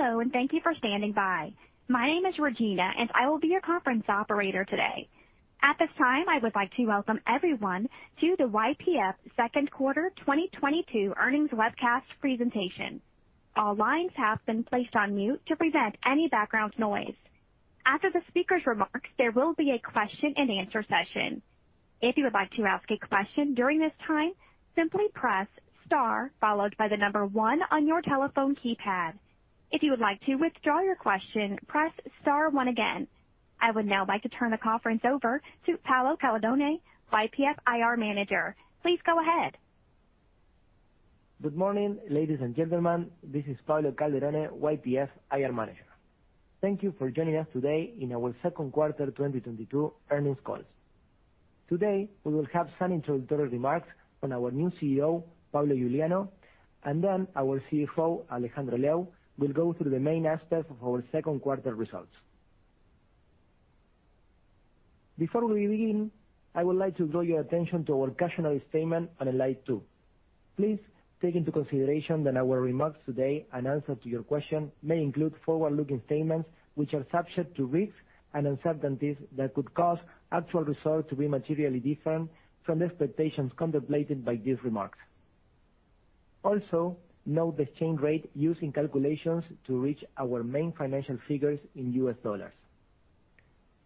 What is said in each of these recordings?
Hello, thank you for standing by. My name is Regina, and I will be your conference operator today. At this time, I would like to welcome everyone to the YPF Second Quarter 2022 Earnings Webcast Presentation. All lines have been placed on mute to prevent any background noise. After the speaker's remarks, there will be a question-and-answer session. If you would like to ask a question during this time, simply press Star followed by the number one on your telephone keypad. If you would like to withdraw your question, press Star one again. I would now like to turn the conference over to Pablo Calderone, YPF IR Manager. Please go ahead. Good morning, ladies and gentlemen. This is Pablo Calderone, YPF IR Manager. Thank you for joining us today in our second quarter 2022 earnings call. Today, we will have some introductory remarks from our new CEO, Pablo Iuliano, and then our CFO, Alejandro Lew, will go through the main aspects of our second quarter results. Before we begin, I would like to draw your attention to our cautionary statement on slide two. Please take into consideration that our remarks today and answers to your questions may include forward-looking statements which are subject to risks and uncertainties that could cause actual results to be materially different from the expectations contemplated by these remarks. Also, note the exchange rate used in calculations to reach our main financial figures in U.S. dollars.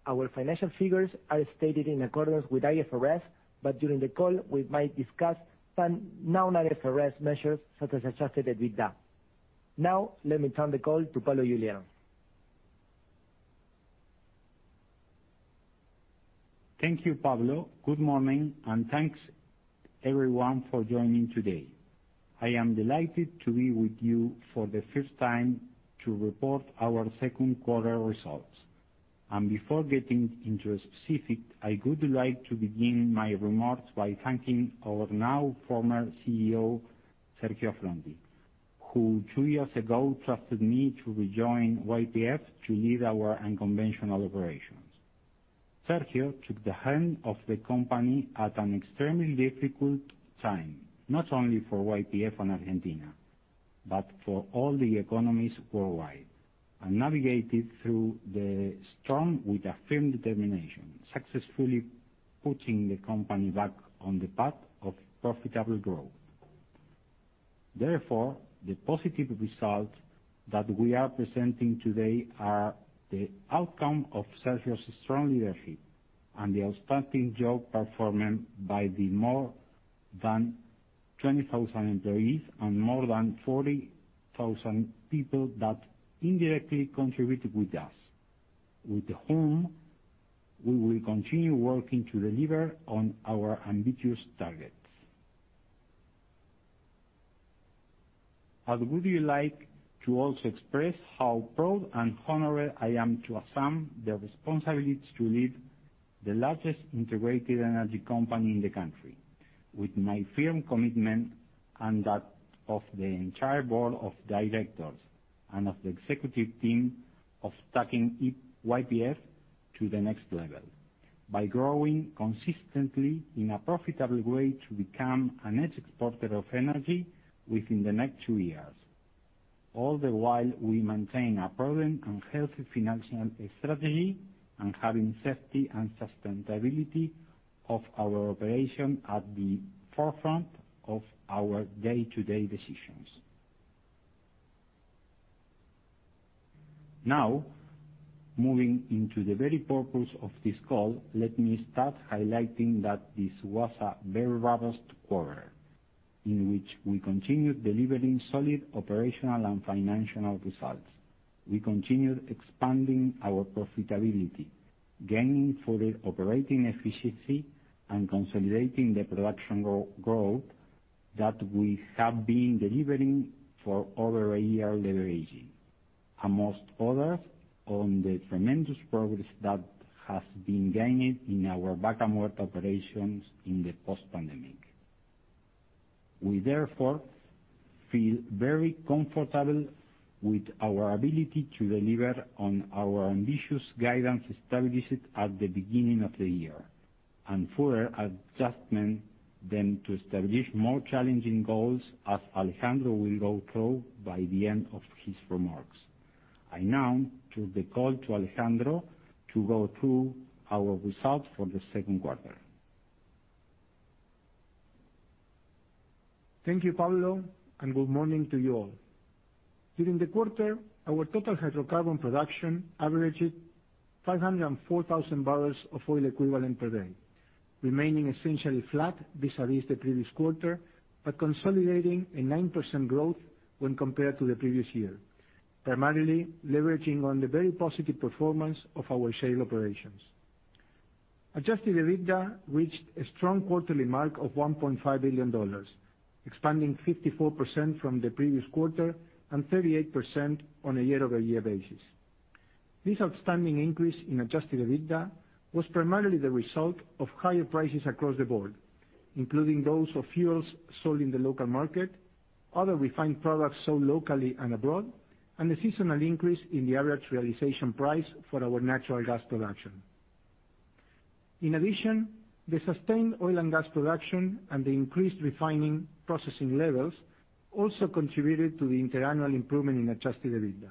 Our financial figures are stated in accordance with IFRS, but during the call, we might discuss some non-IFRS measures such as Adjusted EBITDA. Now, let me turn the call to Pablo Iuliano. Thank you, Pablo. Good morning, and thanks everyone for joining today. I am delighted to be with you for the first time to report our second quarter results. Before getting into specifics, I would like to begin my remarks by thanking our now former CEO, Sergio Affronti, who two years ago trusted me to rejoin YPF to lead our unconventional operations. Sergio took the helm of the company at an extremely difficult time, not only for YPF and Argentina, but for all the economies worldwide, and navigated through the storm with a firm determination, successfully putting the company back on the path of profitable growth. Therefore, the positive results that we are presenting today are the outcome of Sergio's strong leadership and the outstanding job performance by the more than 20,000 employees and more than 40,000 people that indirectly contributed with us, with whom we will continue working to deliver on our ambitious targets. I would like to also express how proud and honored I am to assume the responsibility to lead the largest integrated energy company in the country with my firm commitment and that of the entire board of directors and of the executive team of taking YPF to the next level by growing consistently in a profitable way to become a net exporter of energy within the next two years, all the while we maintain a prudent and healthy financial strategy and having safety and sustainability of our operation at the forefront of our day-to-day decisions. Now, moving into the very purpose of this call, let me start highlighting that this was a very robust quarter in which we continued delivering solid operational and financial results. We continued expanding our profitability, gaining further operating efficiency, and consolidating the production growth that we have been delivering for over a year leveraging, among others, on the tremendous progress that has been gained in our Vaca Muerta operations in the post-pandemic. We therefore feel very comfortable with our ability to deliver on our ambitious guidance established at the beginning of the year, and further adjustment then to establish more challenging goals as Alejandro will go through by the end of his remarks. I now turn the call to Alejandro to go through our results for the second quarter. Thank you, Pablo, and good morning to you all. During the quarter, our total hydrocarbon production averaged 504,000 bbls of oil equivalent per day, remaining essentially flat vis-a-vis the previous quarter, but consolidating a 9% growth when compared to the previous year, primarily leveraging on the very positive performance of our shale operations. Adjusted EBITDA reached a strong quarterly mark of $1.5 billion, expanding 54% from the previous quarter and 38% on a year-over-year basis. This outstanding increase in Adjusted EBITDA was primarily the result of higher prices across the board, including those of fuels sold in the local market, other refined products sold locally and abroad, and the seasonal increase in the average realization price for our natural gas production. In addition, the sustained oil and gas production and the increased refining processing levels also contributed to the interannual improvement in Adjusted EBITDA.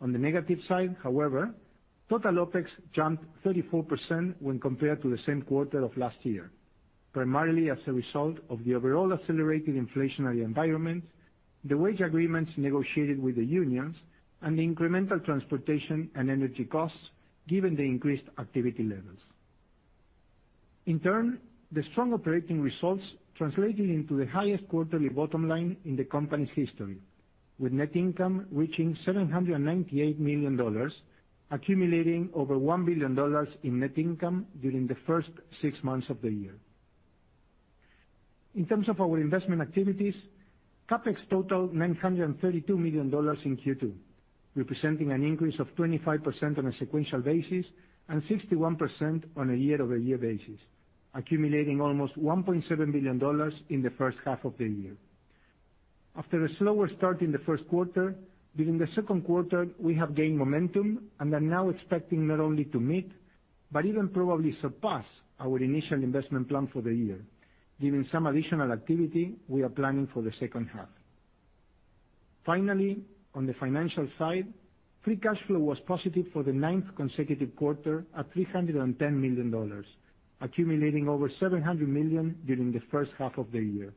On the negative side, however, total OpEx jumped 34% when compared to the same quarter of last year, primarily as a result of the overall accelerated inflationary environment, the wage agreements negotiated with the unions, and the incremental transportation and energy costs given the increased activity levels. In turn, the strong operating results translated into the highest quarterly bottom line in the company's history, with net income reaching $798 million, accumulating over $1 billion in net income during the first six months of the year. In terms of our investment activities, CapEx totaled $932 million in Q2, representing an increase of 25% on a sequential basis and 61% on a year-over-year basis, accumulating almost $1.7 billion in the first half of the year. After a slower start in the first quarter, during the second quarter, we have gained momentum and are now expecting not only to meet, but even probably surpass our initial investment plan for the year, given some additional activity we are planning for the second half. Finally, on the financial side, free cash flow was positive for the ninth consecutive quarter at $310 million, accumulating over $700 million during the first half of the year.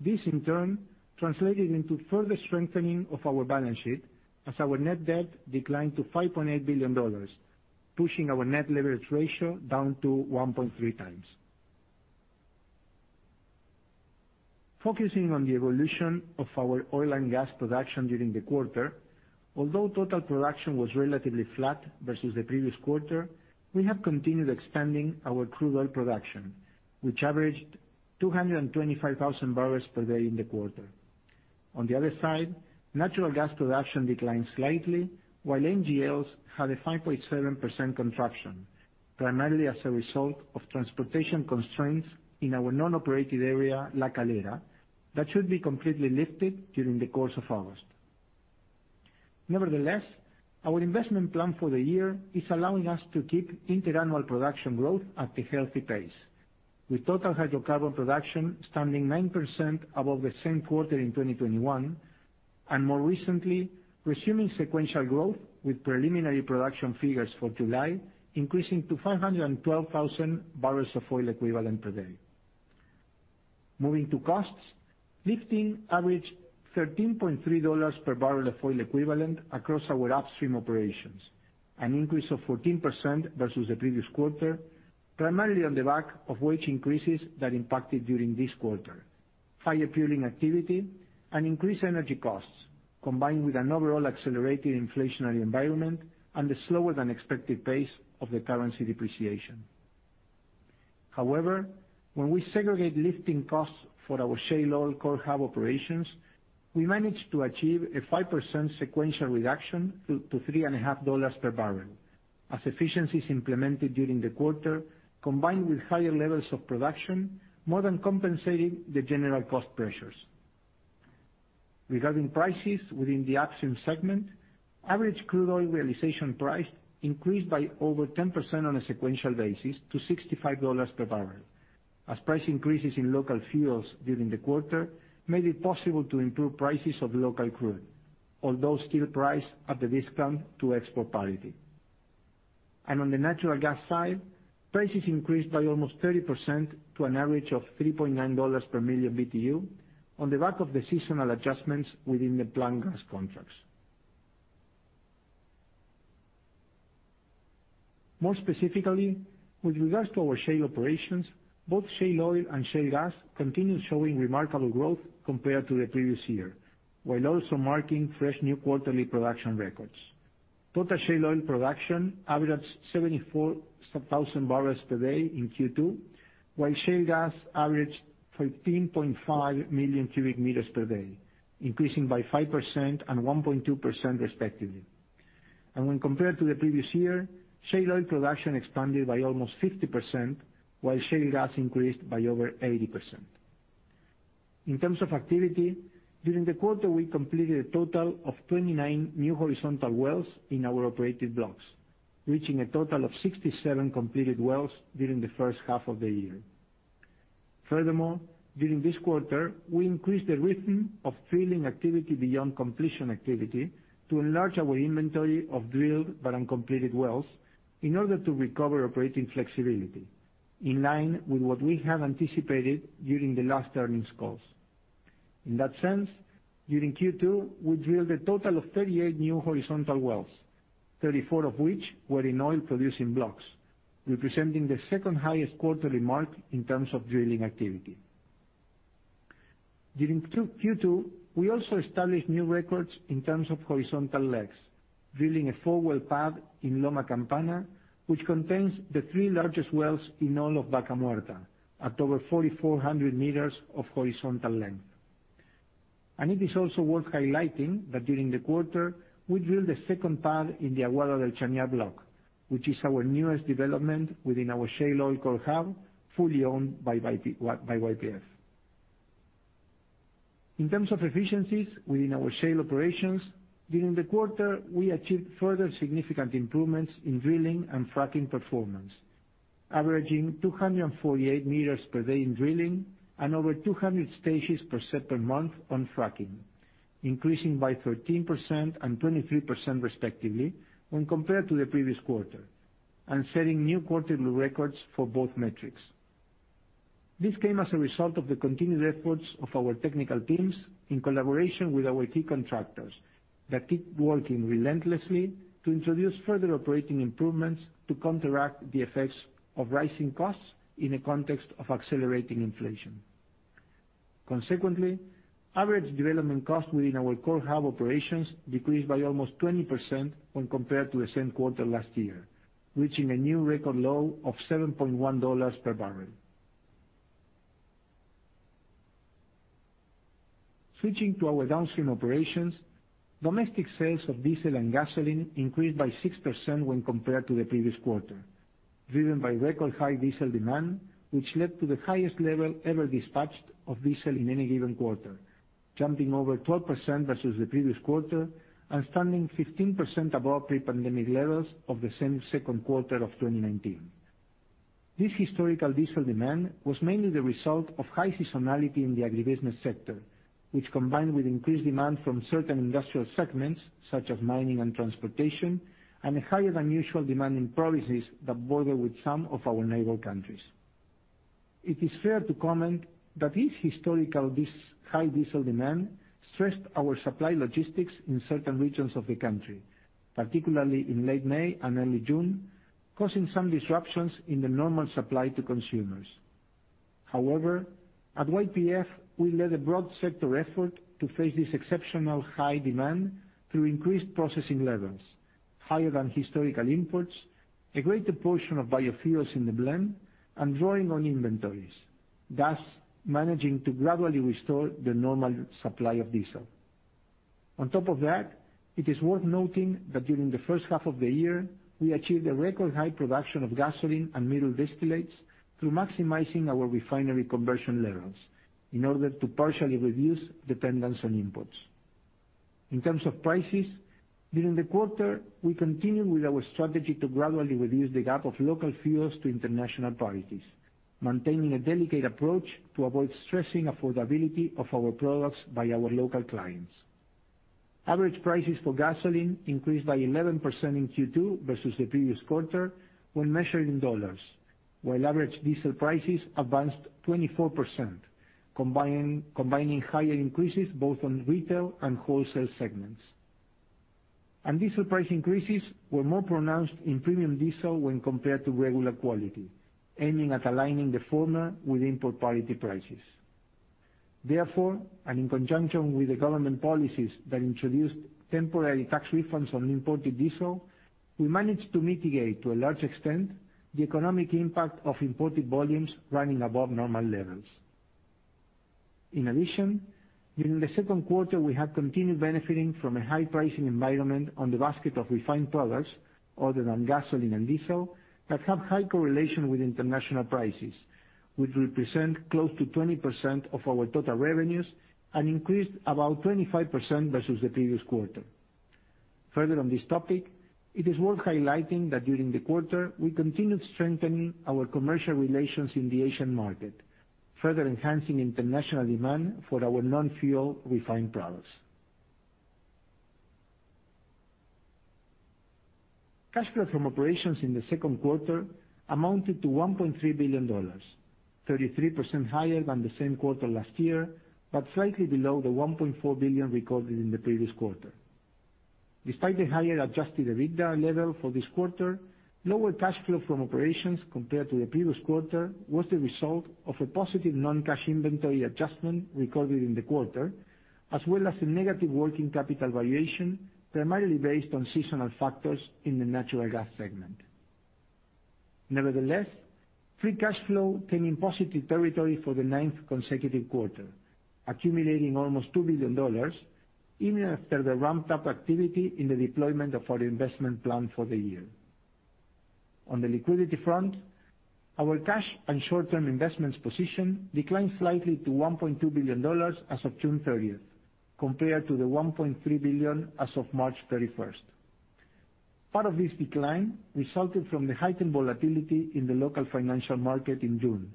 This, in turn, translated into further strengthening of our balance sheet as our net debt declined to $5.8 billion, pushing our net leverage ratio down to 1.3x. Focusing on the evolution of our oil and gas production during the quarter, although total production was relatively flat versus the previous quarter, we have continued expanding our crude oil production, which averaged 225,000 bpd in the quarter. On the other side, natural gas production declined slightly, while LNGs had a 5.7% contraction, primarily as a result of transportation constraints in our non-operated area, La Calera, that should be completely lifted during the course of August. Nevertheless, our investment plan for the year is allowing us to keep interannual production growth at a healthy pace, with total hydrocarbon production standing 9% above the same quarter in 2021, and more recently, resuming sequential growth with preliminary production figures for July, increasing to 512,000 bbl of oil equivalent per day. Moving to costs, lifting averaged $13.3 per barrel of oil equivalent across our upstream operations, an increase of 14% versus the previous quarter, primarily on the back of wage increases that impacted during this quarter, higher fueling activity and increased energy costs, combined with an overall accelerated inflationary environment and the slower than expected pace of the currency depreciation. However, when we segregate lifting costs for our shale oil core hub operations, we managed to achieve a 5% sequential reduction to $3.5 per barrel as efficiencies implemented during the quarter, combined with higher levels of production, more than compensating the general cost pressures. Regarding prices within the upstream segment, average crude oil realization price increased by over 10% on a sequential basis to $65 per barrel as price increases in local fuels during the quarter made it possible to improve prices of local crude, although still priced at a discount to export parity. On the natural gas side, prices increased by almost 30% to an average of $3.9 per million BTU on the back of the seasonal adjustments within the Plan Gas contracts. More specifically, with regards to our shale operations, both shale oil and shale gas continued showing remarkable growth compared to the previous year, while also marking fresh new quarterly production records. Total shale oil production averaged 74,000 bpd in Q2, while shale gas averaged 13.5 million cubic meters per day, increasing by 5% and 1.2% respectively. When compared to the previous year, shale oil production expanded by almost 50%, while shale gas increased by over 80%. In terms of activity, during the quarter, we completed a total of 29 new horizontal wells in our operated blocks, reaching a total of 67 completed wells during the first half of the year. Furthermore, during this quarter, we increased the rhythm of drilling activity beyond completion activity to enlarge our inventory of drilled but uncompleted wells in order to recover operating flexibility in line with what we have anticipated during the last earnings calls. In that sense, during Q2, we drilled a total of 38 new horizontal wells, 34 of which were in oil-producing blocks, representing the second highest quarterly mark in terms of drilling activity. During Q2, we also established new records in terms of horizontal lengths, drilling a four-well pad in Loma Campana, which contains the three largest wells in all of Vaca Muerta at over 4,400 meters of horizontal length. It is also worth highlighting that during the quarter, we drilled a second pad in the Aguada del Chañar block, which is our newest development within our shale oil core hub, fully owned by YPF. In terms of efficiencies within our shale operations, during the quarter, we achieved further significant improvements in drilling and fracking performance, averaging 248 meters per day in drilling and over 200 stages per set per month on fracking, increasing by 13% and 23% respectively when compared to the previous quarter, and setting new quarterly records for both metrics. This came as a result of the continued efforts of our technical teams in collaboration with our key contractors that keep working relentlessly to introduce further operating improvements to counteract the effects of rising costs in a context of accelerating inflation. Consequently, average development costs within our core hub operations decreased by almost 20% when compared to the same quarter last year, reaching a new record low of $7.1 per barrel. Switching to our downstream operations, domestic sales of diesel and gasoline increased by 6% when compared to the previous quarter, driven by record high diesel demand, which led to the highest level ever dispatched of diesel in any given quarter, jumping over 12% versus the previous quarter and standing 15% above pre-pandemic levels of the same second quarter of 2019. This historical diesel demand was mainly the result of high seasonality in the agribusiness sector, which combined with increased demand from certain industrial segments such as mining and transportation, and a higher than usual demand in provinces that border with some of our neighbor countries. It is fair to comment that this historically high diesel demand stressed our supply logistics in certain regions of the country, particularly in late May and early June, causing some disruptions in the normal supply to consumers. However, at YPF, we led a broad sector effort to face this exceptional high demand through increased processing levels, higher than historical imports, a greater portion of biofuels in the blend, and drawing on inventories, thus managing to gradually restore the normal supply of diesel. On top of that, it is worth noting that during the first half of the year, we achieved a record high production of gasoline and middle distillates through maximizing our refinery conversion levels in order to partially reduce dependence on imports. In terms of prices, during the quarter, we continued with our strategy to gradually reduce the gap of local fuels to international prices, maintaining a delicate approach to avoid stressing affordability of our products by our local clients. Average prices for gasoline increased by 11% in Q2 versus the previous quarter when measured in U.S. dollars, while average diesel prices advanced 24%, combining higher increases both on retail and wholesale segments. Diesel price increases were more pronounced in premium diesel when compared to regular quality, aiming at aligning the former with import parity prices. Therefore, in conjunction with the government policies that introduced temporary tax refunds on imported diesel, we managed to mitigate to a large extent the economic impact of imported volumes running above normal levels. In addition, during the second quarter, we have continued benefiting from a high pricing environment on the basket of refined products other than gasoline and diesel that have high correlation with international prices, which represent close to 20% of our total revenues and increased about 25% versus the previous quarter. Further on this topic, it is worth highlighting that during the quarter, we continued strengthening our commercial relations in the Asian market, further enhancing international demand for our non-fuel refined products. Cash flow from operations in the second quarter amounted to $1.3 billion, 33% higher than the same quarter last year, but slightly below the $1.4 billion recorded in the previous quarter. Despite the higher Adjusted EBITDA level for this quarter, lower cash flow from operations compared to the previous quarter was the result of a positive non-cash inventory adjustment recorded in the quarter, as well as a negative working capital variation, primarily based on seasonal factors in the natural gas segment. Nevertheless, free cash flow came in positive territory for the ninth consecutive quarter, accumulating almost $2 billion even after the ramped-up activity in the deployment of our investment plan for the year. On the liquidity front, our cash and short-term investments position declined slightly to $1.2 billion as of June 30, compared to the $1.3 billion as of March 31. Part of this decline resulted from the heightened volatility in the local financial market in June,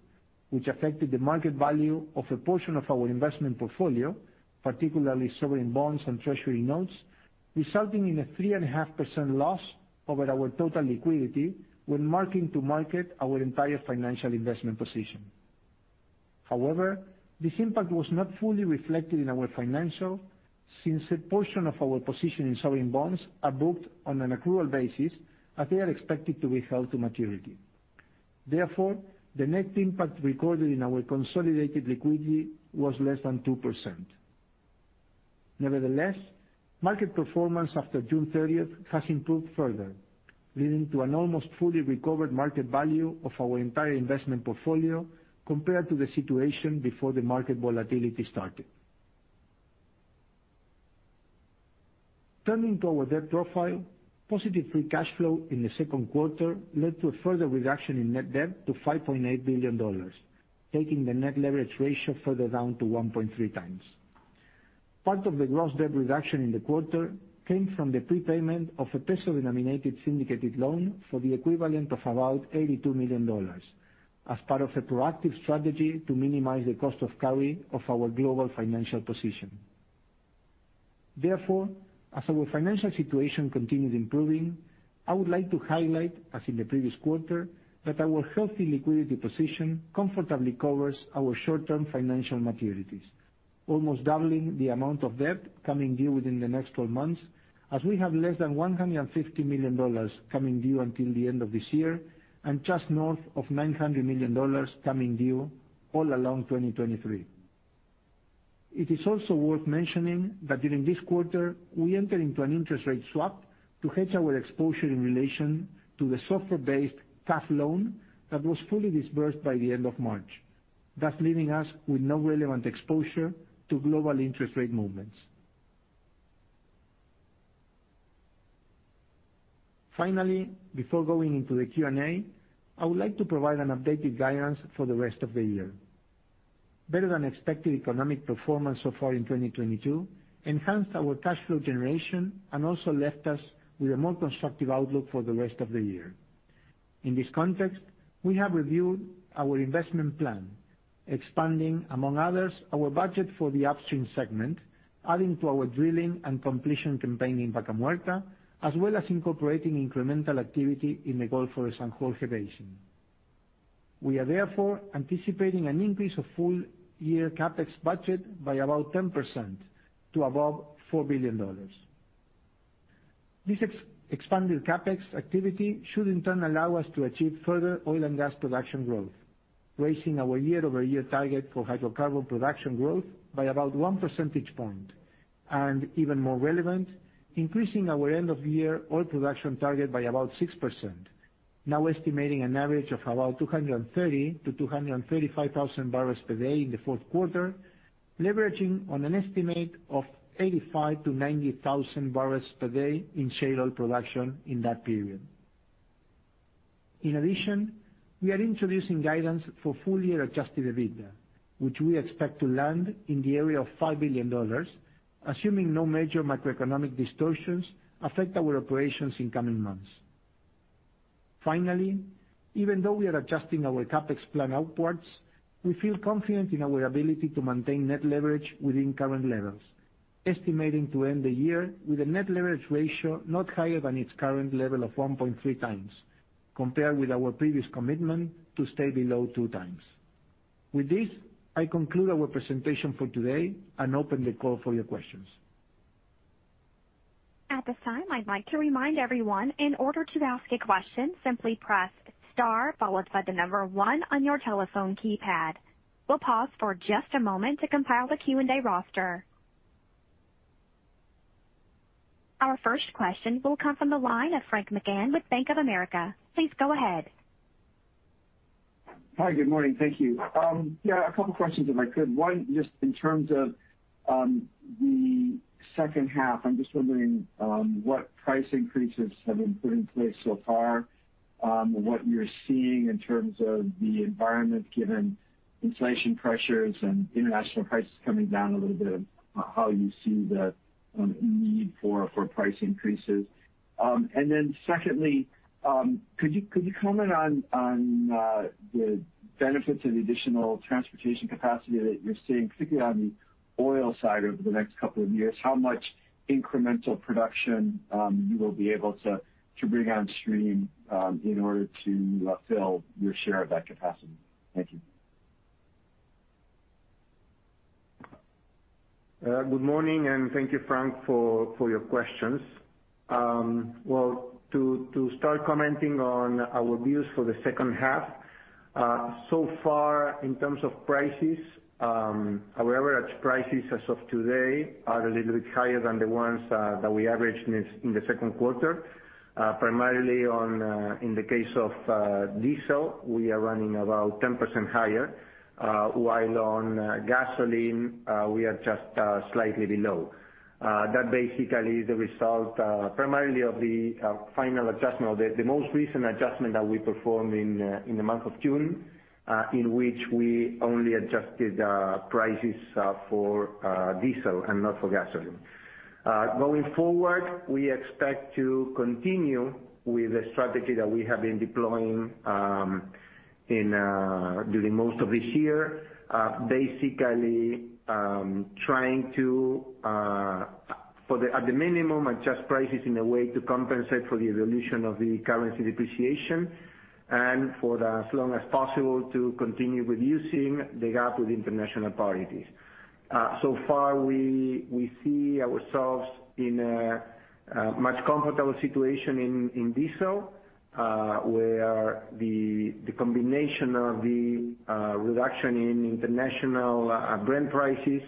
which affected the market value of a portion of our investment portfolio, particularly sovereign bonds and treasury notes, resulting in a 3.5% loss over our total liquidity when marking to market our entire financial investment position. However, this impact was not fully reflected in our financials since a portion of our position in sovereign bonds are booked on an accrual basis as they are expected to be held to maturity. Therefore, the net impact recorded in our consolidated liquidity was less than 2%. Nevertheless, market performance after June 30 has improved further, leading to an almost fully recovered market value of our entire investment portfolio compared to the situation before the market volatility started. Turning to our debt profile, positive free cash flow in the second quarter led to a further reduction in net debt to $5.8 billion, taking the net leverage ratio further down to 1.x. Part of the gross debt reduction in the quarter came from the prepayment of a peso-denominated syndicated loan for the equivalent of about $82 million as part of a proactive strategy to minimize the cost of carry of our global financial position. Therefore, as our financial situation continues improving, I would like to highlight, as in the previous quarter, that our healthy liquidity position comfortably covers our short-term financial maturities, almost doubling the amount of debt coming due within the next 12 months, as we have less than $150 million coming due until the end of this year, and just north of $900 million coming due all along 2023. It is also worth mentioning that during this quarter, we entered into an interest rate swap to hedge our exposure in relation to the SOFR-based CAF loan that was fully disbursed by the end of March, thus leaving us with no relevant exposure to global interest rate movements. Finally, before going into the Q&A, I would like to provide an updated guidance for the rest of the year. Better than expected economic performance so far in 2022 enhanced our cash flow generation and also left us with a more constructive outlook for the rest of the year. In this context, we have reviewed our investment plan, expanding, among others, our budget for the upstream segment, adding to our drilling and completion campaign in Vaca Muerta, as well as incorporating incremental activity in the Gulf of San Jorge basin. We are therefore anticipating an increase of full year CapEx budget by about 10% to above $4 billion. This expanded CapEx activity should in turn allow us to achieve further oil and gas production growth, raising our year-over-year target for hydrocarbon production growth by about 1 percentage point, and even more relevant, increasing our end-of-year oil production target by about 6%, now estimating an average of about 230,000-235,000 bpd in the fourth quarter, leveraging on an estimate of 85,000-90,000 bpd in shale oil production in that period. In addition, we are introducing guidance for full year Adjusted EBITDA, which we expect to land in the area of $5 billion, assuming no major macroeconomic distortions affect our operations in coming months. Finally, even though we are adjusting our CapEx plan upwards, we feel confident in our ability to maintain net leverage within current levels, estimating to end the year with a net leverage ratio not higher than its current level of 1.3x compared with our previous commitment to stay below 2x. With this, I conclude our presentation for today and open the call for your questions. At this time, I'd like to remind everyone, in order to ask a question, simply press star followed by the number one on your telephone keypad. We'll pause for just a moment to compile the Q&A roster. Our first question will come from the line of Frank McGann with Bank of America. Please go ahead. Hi, good morning. Thank you. Yeah, a couple questions, if I could. One, just in terms of the second half, I'm just wondering what price increases have been put in place so far, what you're seeing in terms of the environment given inflation pressures and international prices coming down a little bit, how you see the need for price increases. Secondly, could you comment on the benefits of the additional transportation capacity that you're seeing, particularly on the oil side over the next couple of years, how much incremental production you will be able to bring on stream in order to fill your share of that capacity? Thank you. Good morning, and thank you, Frank, for your questions. To start commenting on our views for the second half, so far in terms of prices, our average prices as of today are a little bit higher than the ones that we averaged in the second quarter. Primarily in the case of diesel, we are running about 10% higher, while on gasoline, we are just slightly below. That basically is the result, primarily of the final adjustment or the most recent adjustment that we performed in the month of June, in which we only adjusted prices for diesel and not for gasoline. Going forward, we expect to continue with the strategy that we have been deploying during most of this year. Basically, trying to at the minimum, adjust prices in a way to compensate for the evolution of the currency depreciation and, as long as possible, to continue reducing the gap with international parities. So far we see ourselves in a much comfortable situation in diesel, where the combination of the reduction in international Brent prices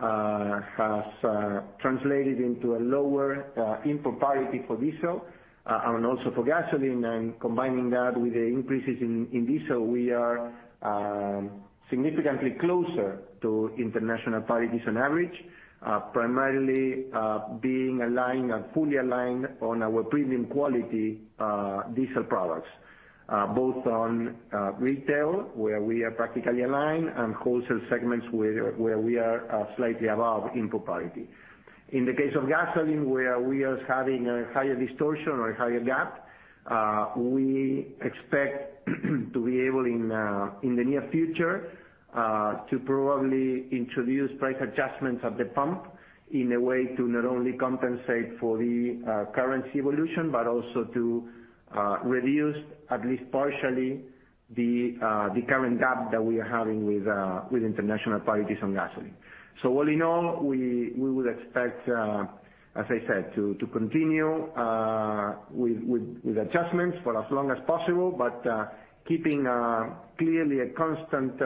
has translated into a lower import parity for diesel and also for gasoline. Combining that with the increases in diesel, we are significantly closer to international parities on average, primarily being aligned and fully aligned on our premium quality diesel products. Both on retail, where we are practically aligned, and wholesale segments where we are slightly above import parity. In the case of gasoline, where we are having a higher distortion or a higher gap, we expect to be able in the near future to probably introduce price adjustments at the pump in a way to not only compensate for the currency evolution, but also to reduce, at least partially, the current gap that we are having with international parities on gasoline. All in all, we would expect, as I said, to continue with adjustments for as long as possible, but keeping clearly a constant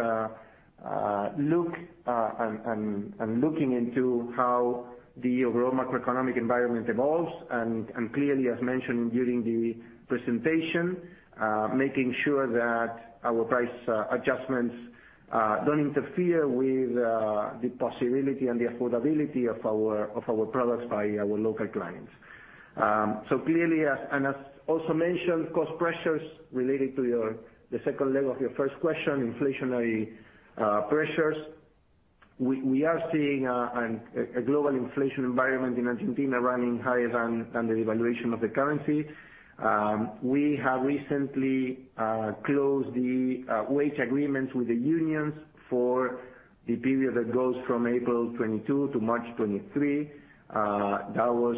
look and looking into how the overall macroeconomic environment evolves, and clearly, as mentioned during the presentation, making sure that our price adjustments don't interfere with the possibility and the affordability of our products by our local clients. Clearly as also mentioned, cost pressures related to the second leg of your first question, inflationary pressures. We are seeing a global inflation environment in Argentina running higher than the devaluation of the currency. We have recently closed the wage agreements with the unions for the period that goes from April 2022 to March 2023. That was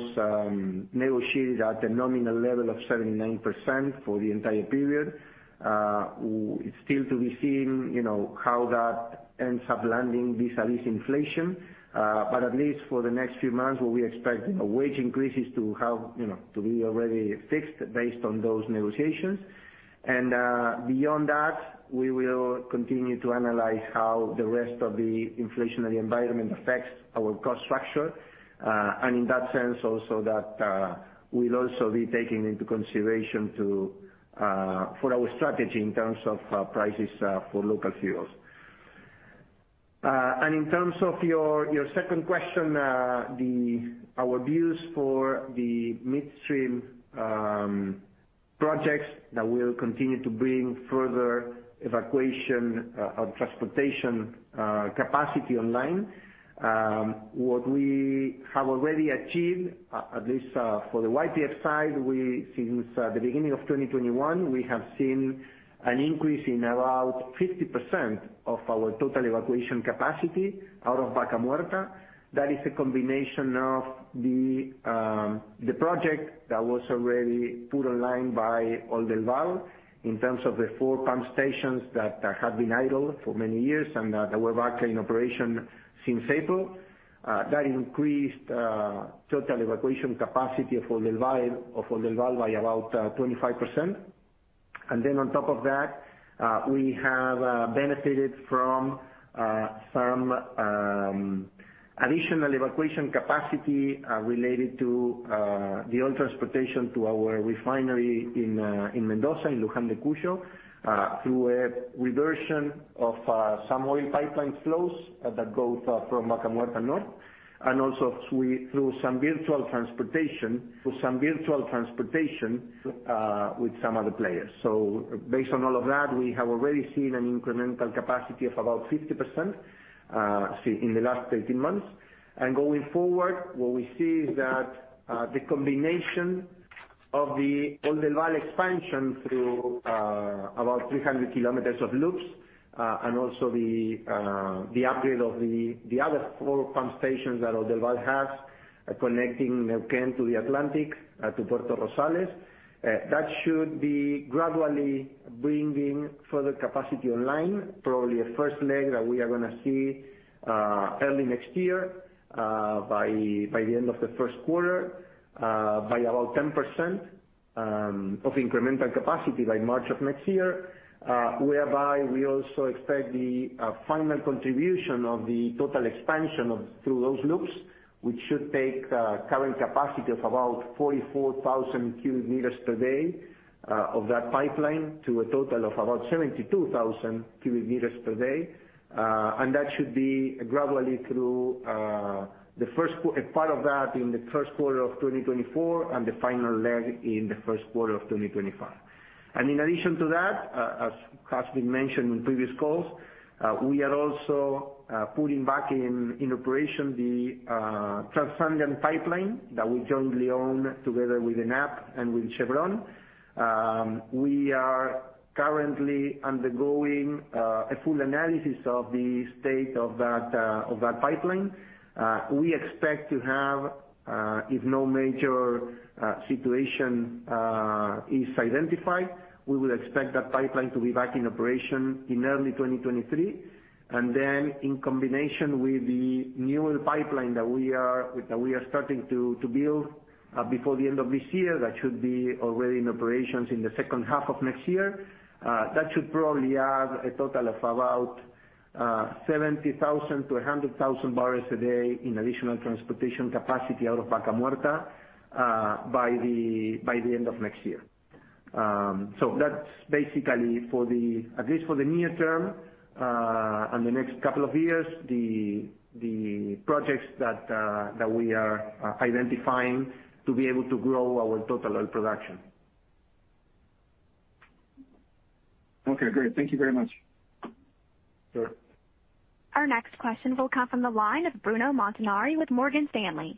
negotiated at a nominal level of 79% for the entire period. It's still to be seen, you know, how that ends up landing vis-à-vis inflation. At least for the next few months, what we expect, you know, wage increases to have, you know, to be already fixed based on those negotiations. Beyond that, we will continue to analyze how the rest of the inflationary environment affects our cost structure. In that sense also that will also be taking into consideration to for our strategy in terms of prices for local fuels. In terms of your second question, our views for the midstream projects that will continue to bring further evacuation of transportation capacity online. What we have already achieved, at least, for the YPF side, since the beginning of 2021, we have seen an increase in about 50% of our total evacuation capacity out of Vaca Muerta. That is a combination of the project that was already put online by Oldelval in terms of the four pump stations that had been idle for many years and that were back in operation since April. That increased total evacuation capacity of Oldelval by about 25%. Then on top of that, we have benefited from some additional evacuation capacity related to the oil transportation to our refinery in Mendoza, in Luján de Cuyo, through a reversion of some oil pipeline flows that go from Vaca Muerta north. Through some virtual transportation with some other players. Based on all of that, we have already seen an incremental capacity of about 50%, say, in the last 18 months. Going forward, what we see is that the combination of the Oldelval expansion through about 300 km of loops and also the upgrade of the other four pump stations that Oldelval has connecting Neuquén to the Atlantic, to Puerto Rosales. That should be gradually bringing further capacity online, probably a first leg that we are gonna see early next year, by the end of the first quarter, by about 10% of incremental capacity by March of next year. whereby we also expect the final contribution of the total expansion of, through those loops, which should take current capacity of about 44,000 cubic meters per day of that pipeline, to a total of about 72,000 cubic meters per day. That should be gradually through a part of that in the first quarter of 2024, and the final leg in the first quarter of 2025. In addition to that, as has been mentioned in previous calls, we are also putting back in operation the Transandean pipeline that we jointly own together with ENAP and with Chevron. We are currently undergoing a full analysis of the state of that pipeline. We expect to have, if no major situation is identified, we will expect that pipeline to be back in operation in early 2023. In combination with the new pipeline that we are starting to build before the end of this year, that should be already in operations in the second half of next year. That should probably add a total of about 70,000-100,000 bpd in additional transportation capacity out of Vaca Muerta by the end of next year. That's basically, at least for the near term, and the next couple of years, the projects that we are identifying to be able to grow our total oil production. Okay, great. Thank you very much. Sure. Our next question will come from the line of Bruno Montanari with Morgan Stanley.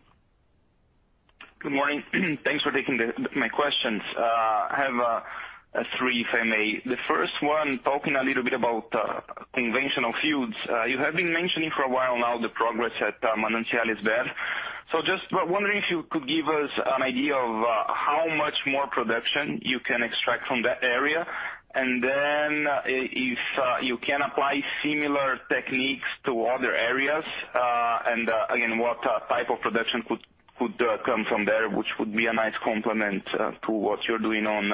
Good morning. Thanks for taking my questions. I have three, if I may. The first one, talking a little bit about conventional fuels. You have been mentioning for a while now the progress at Manantiales Sur. So just wondering if you could give us an idea of how much more production you can extract from that area. And then if you can apply similar techniques to other areas, and again, what type of production could come from there, which would be a nice complement to what you're doing on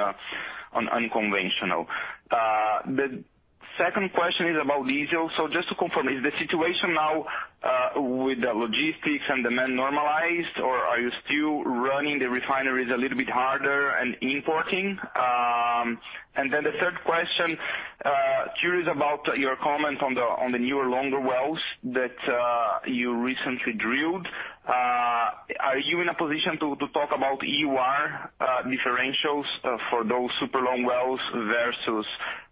unconventional. The second question is about diesel. So just to confirm, is the situation now with the logistics and demand normalized, or are you still running the refineries a little bit harder and importing? The third question, curious about your comment on the newer longer wells that you recently drilled. Are you in a position to talk about EOR differentials for those super long wells versus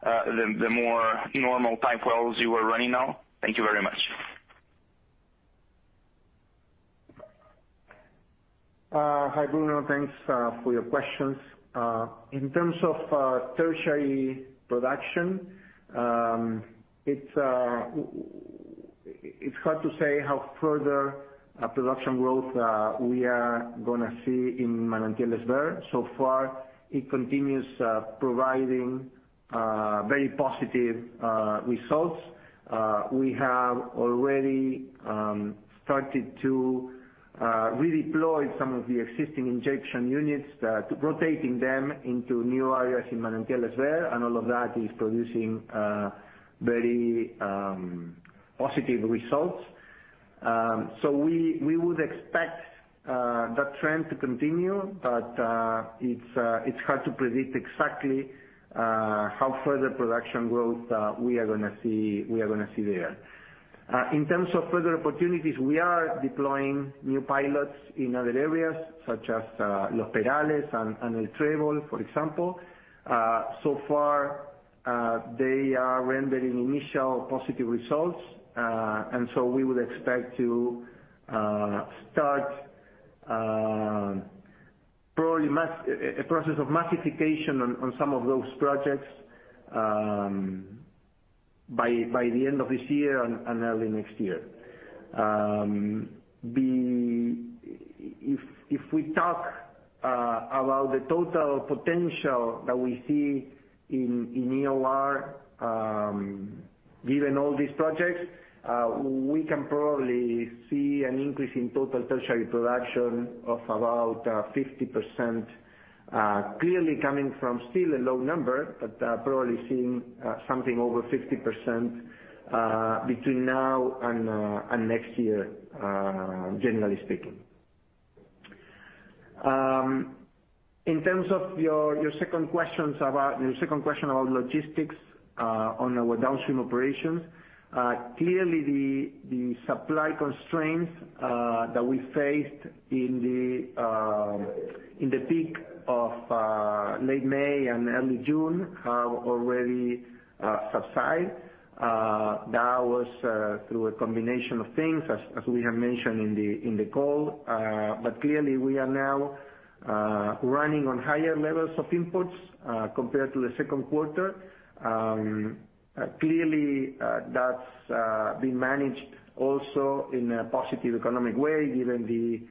the more normal type wells you are running now? Thank you very much. Hi, Bruno. Thanks for your questions. In terms of tertiary production, it's hard to say how further production growth we are gonna see in Manantiales Sur. So far, it continues providing very positive results. We have already started to redeploy some of the existing injection units, rotating them into new areas in Manantiales Sur, and all of that is producing very positive results. We would expect that trend to continue, but it's hard to predict exactly how further production growth we are gonna see there. In terms of further opportunities, we are deploying new pilots in other areas, such as Los Perales and El Trébol, for example. So far, they are rendering initial positive results. We would expect to start a process of massification on some of those projects by the end of this year and early next year. If we talk about the total potential that we see in EOR, given all these projects, we can probably see an increase in total tertiary production of about 50%, clearly coming from still a low number, but probably seeing something over 50% between now and next year, generally speaking. In terms of your second question about logistics, on our downstream operations, clearly the supply constraints that we faced in the peak of late May and early June have already subsided. That was through a combination of things, as we have mentioned in the call. Clearly we are now running on higher levels of inputs compared to the second quarter. Clearly, that's been managed also in a positive economic way given the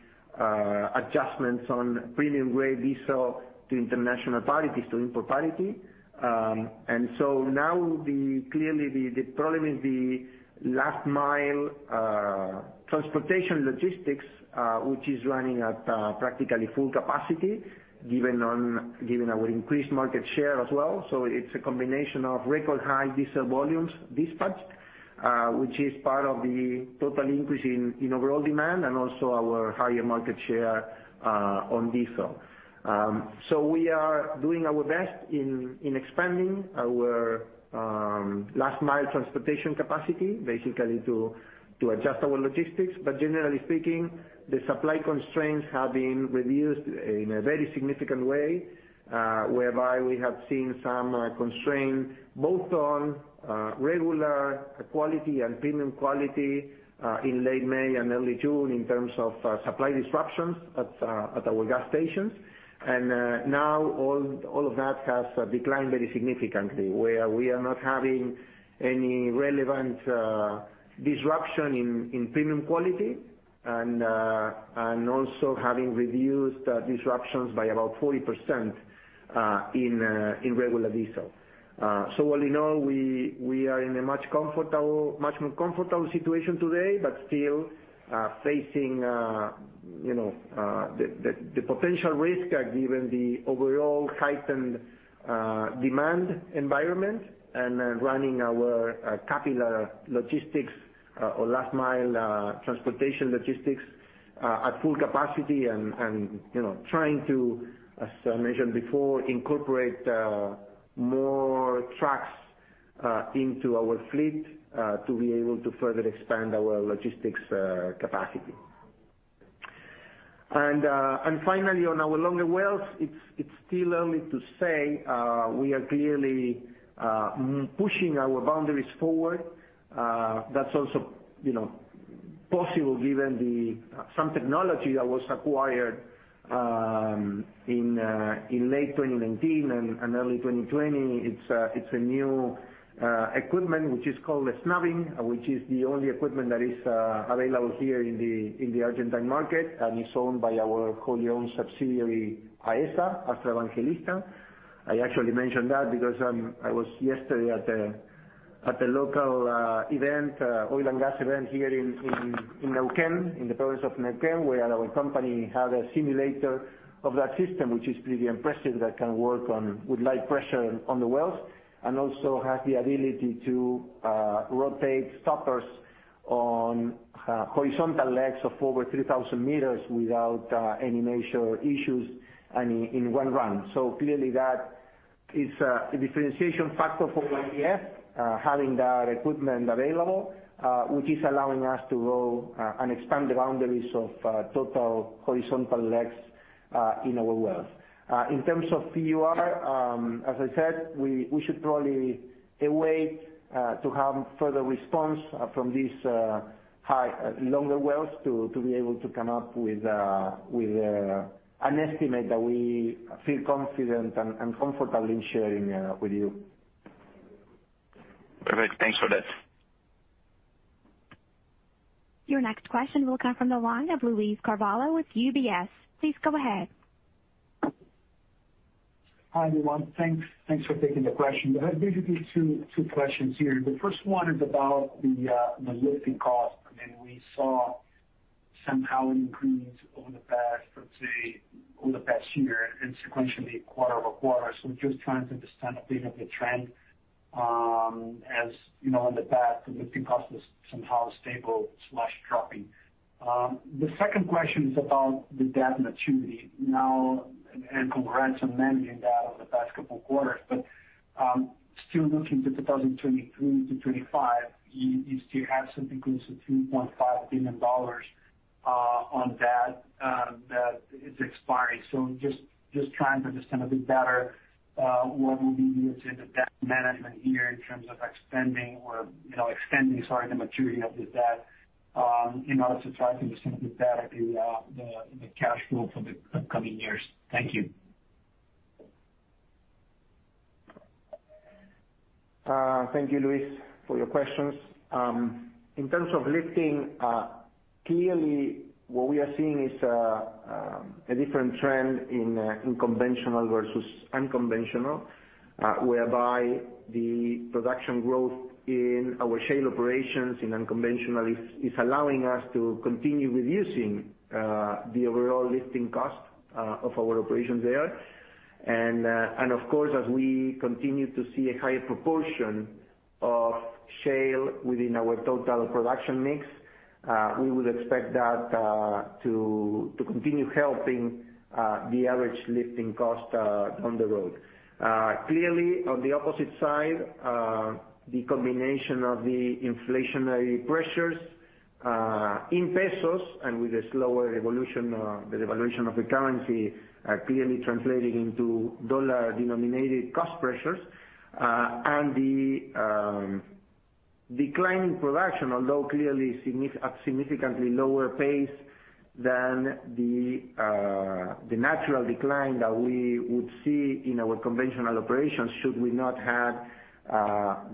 adjustments on premium grade diesel to international parities, to import parity. Now clearly the problem is the last-mile transportation logistics, which is running at practically full capacity, given our increased market share as well. It's a combination of record high diesel volumes dispatched, which is part of the total increase in overall demand and also our higher market share on diesel. We are doing our best in expanding our last-mile transportation capacity, basically to adjust our logistics. Generally speaking, the supply constraints have been reduced in a very significant way, whereby we have seen some constraint both on regular quality and premium quality in late May and early June in terms of supply disruptions at our gas stations. Now all of that has declined very significantly, where we are not having any relevant disruption in premium quality and also having reduced disruptions by about 40% in regular diesel. So all in all, we are in a much more comfortable situation today, but still facing you know the potential risk given the overall heightened demand environment and running our capillary logistics or last-mile transportation logistics at full capacity and you know trying to, as I mentioned before, incorporate more trucks into our fleet to be able to further expand our logistics capacity. Finally on our longer wells, it's still early to say, we are clearly pushing our boundaries forward. That's also you know possible given the some technology that was acquired in late 2019 and early 2020. It's a new equipment, which is called a snubbing, which is the only equipment that is available here in the Argentine market, and it's owned by our wholly owned subsidiary, AESA, Astra Evangelista S.A. I actually mentioned that because I was yesterday at a local event, oil and gas event here in Neuquén, in the province of Neuquén, where our company had a simulator of that system, which is pretty impressive, that can work on with light pressure on the wells, and also has the ability to rotate stoppers on horizontal lengths of over 3,000 meters without any major issues and in one run. Clearly that is a differentiation factor for YPF, having that equipment available, which is allowing us to drill and expand the boundaries of total horizontal lengths in our wells. In terms of EOR, as I said, we should probably await to have further response from these high longer wells to be able to come up with an estimate that we feel confident and comfortable in sharing with you. Perfect. Thanks for that. Your next question will come from the line of Luiz Carvalho with UBS. Please go ahead. Hi, everyone. Thanks. Thanks for taking the question. I have basically two questions here. The first one is about the lifting cost. I mean, we saw somehow it increased over the past, let's say, over the past year and sequentially quarter-over-quarter. Just trying to understand a bit of the trend, as you know, in the past, the lifting cost was somehow stable slash dropping. The second question is about the debt maturity. Now, congrats on managing that over the past couple of quarters, but still looking to 2023-2025, you still have something close to $2.5 billion on debt that is expiring. Just trying to understand a bit better what will be your debt management year in terms of extending or, you know, extending, sorry, the maturity of the debt in order to try to understand a bit better the cash flow for the upcoming years. Thank you. Thank you, Luiz, for your questions. In terms of lifting, clearly what we are seeing is a different trend in conventional versus unconventional, whereby the production growth in our shale operations in unconventional is allowing us to continue reducing the overall lifting cost of our operations there. Of course, as we continue to see a higher proportion of shale within our total production mix, we would expect that to continue helping the average lifting cost down the road. Clearly on the opposite side, the combination of the inflationary pressures in pesos and with a slower devaluation of the currency are clearly translating into dollar-denominated cost pressures. The declining production, although clearly at a significantly lower pace than the natural decline that we would see in our conventional operations should we not have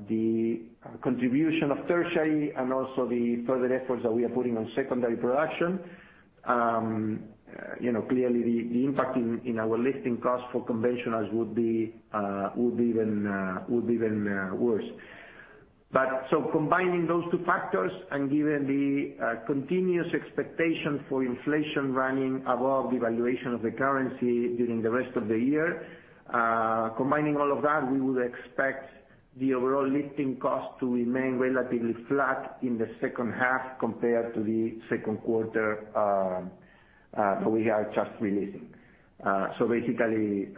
the contribution of tertiary and also the further efforts that we are putting on secondary production. You know, clearly the impact in our lifting costs for conventionals would be even worse. Combining those two factors and given the continuous expectation for inflation running above the valuation of the currency during the rest of the year, combining all of that, we would expect the overall lifting cost to remain relatively flat in the second half compared to the second quarter that we are just releasing. Basically,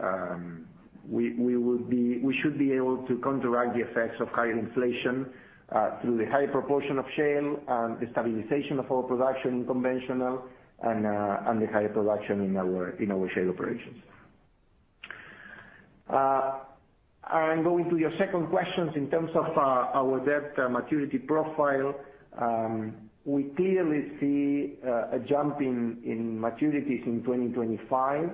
we should be able to counteract the effects of higher inflation through the higher proportion of shale and the stabilization of our production in conventional and the higher production in our shale operations. Going to your second question in terms of our debt maturity profile, we clearly see a jump in maturities in 2025.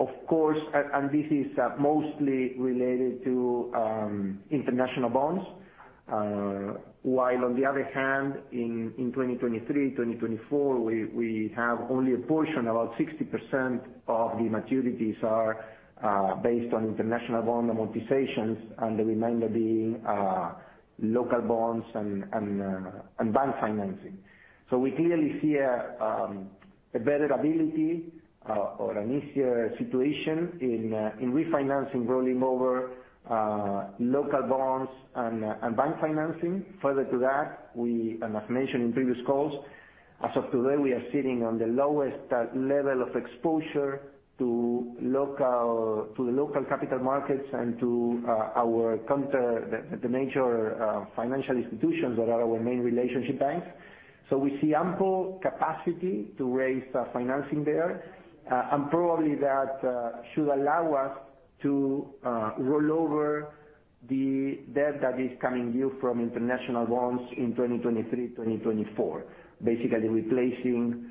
Of course, and this is mostly related to international bonds. While on the other hand, in 2023, 2024, we have only a portion, about 60% of the maturities are based on international bond amortizations and the remainder being local bonds and bank financing. We clearly see a better ability or an easier situation in refinancing, rolling over local bonds and bank financing. Further to that, as mentioned in previous calls, as of today, we are sitting on the lowest level of exposure to the local capital markets and to our counterparties, the major financial institutions that are our main relationship banks. We see ample capacity to raise financing there, and probably that should allow us to roll over the debt that is coming due from international bonds in 2023, 2024, basically replacing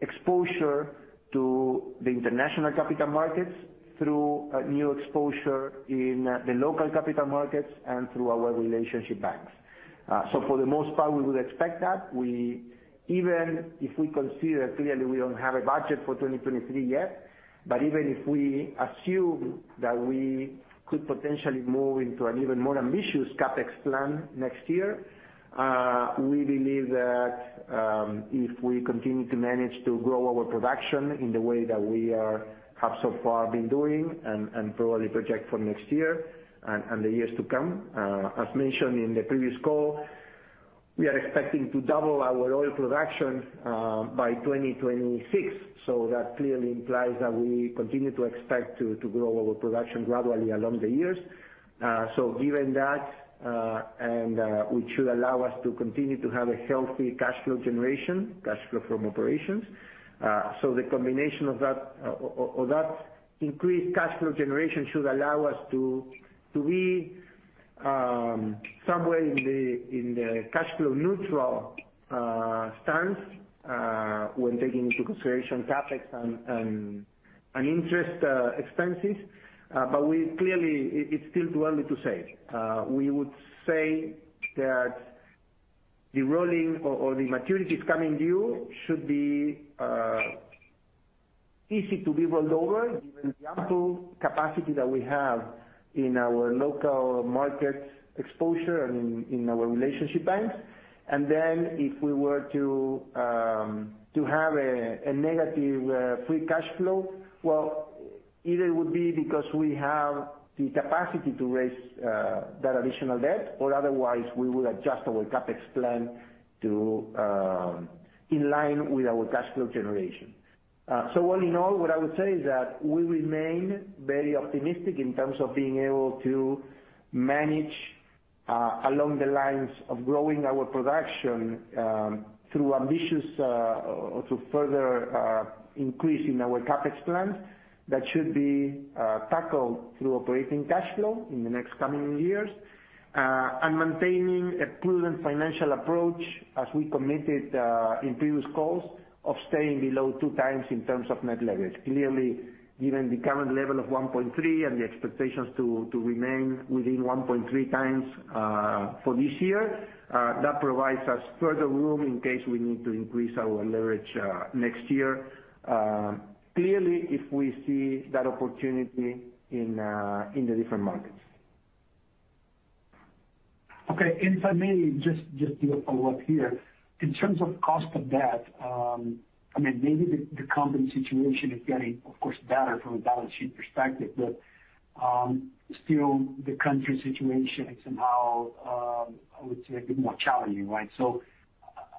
exposure to the international capital markets through a new exposure in the local capital markets and through our relationship banks. For the most part, we would expect that. Even if we consider, clearly, we don't have a budget for 2023 yet. Even if we assume that we could potentially move into an even more ambitious CapEx plan next year, we believe that, if we continue to manage to grow our production in the way that we are, have so far been doing and probably project for next year and the years to come, as mentioned in the previous call, we are expecting to double our oil production by 2026. That clearly implies that we continue to expect to grow our production gradually along the years. Given that, and which should allow us to continue to have a healthy cash flow generation, cash flow from operations. The combination of that, or that increased cash flow generation should allow us to be somewhere in the cash flow neutral stance when taking into consideration CapEx and interest expenses. We clearly, it's still too early to say. We would say that the rolling or the maturities coming due should be easy to be rolled over given the ample capacity that we have in our local market exposure and in our relationship banks. If we were to have a negative free cash flow, well, either it would be because we have the capacity to raise that additional debt, or otherwise we would adjust our CapEx plan in line with our cash flow generation. All in all, what I would say is that we remain very optimistic in terms of being able to manage along the lines of growing our production through further increase in our CapEx plans that should be tackled through operating cash flow in the next coming years. Maintaining a prudent financial approach as we committed in previous calls of staying below 2x in terms of net leverage. Clearly, given the current level of 1.3 and the expectations to remain within 1.3x for this year, that provides us further room in case we need to increase our leverage next year, clearly if we see that opportunity in the different markets. Okay. If I may just do a follow-up here. In terms of cost of debt, I mean, maybe the company situation is getting, of course, better from a balance sheet perspective, but still the country situation is somehow, I would say a bit more challenging, right?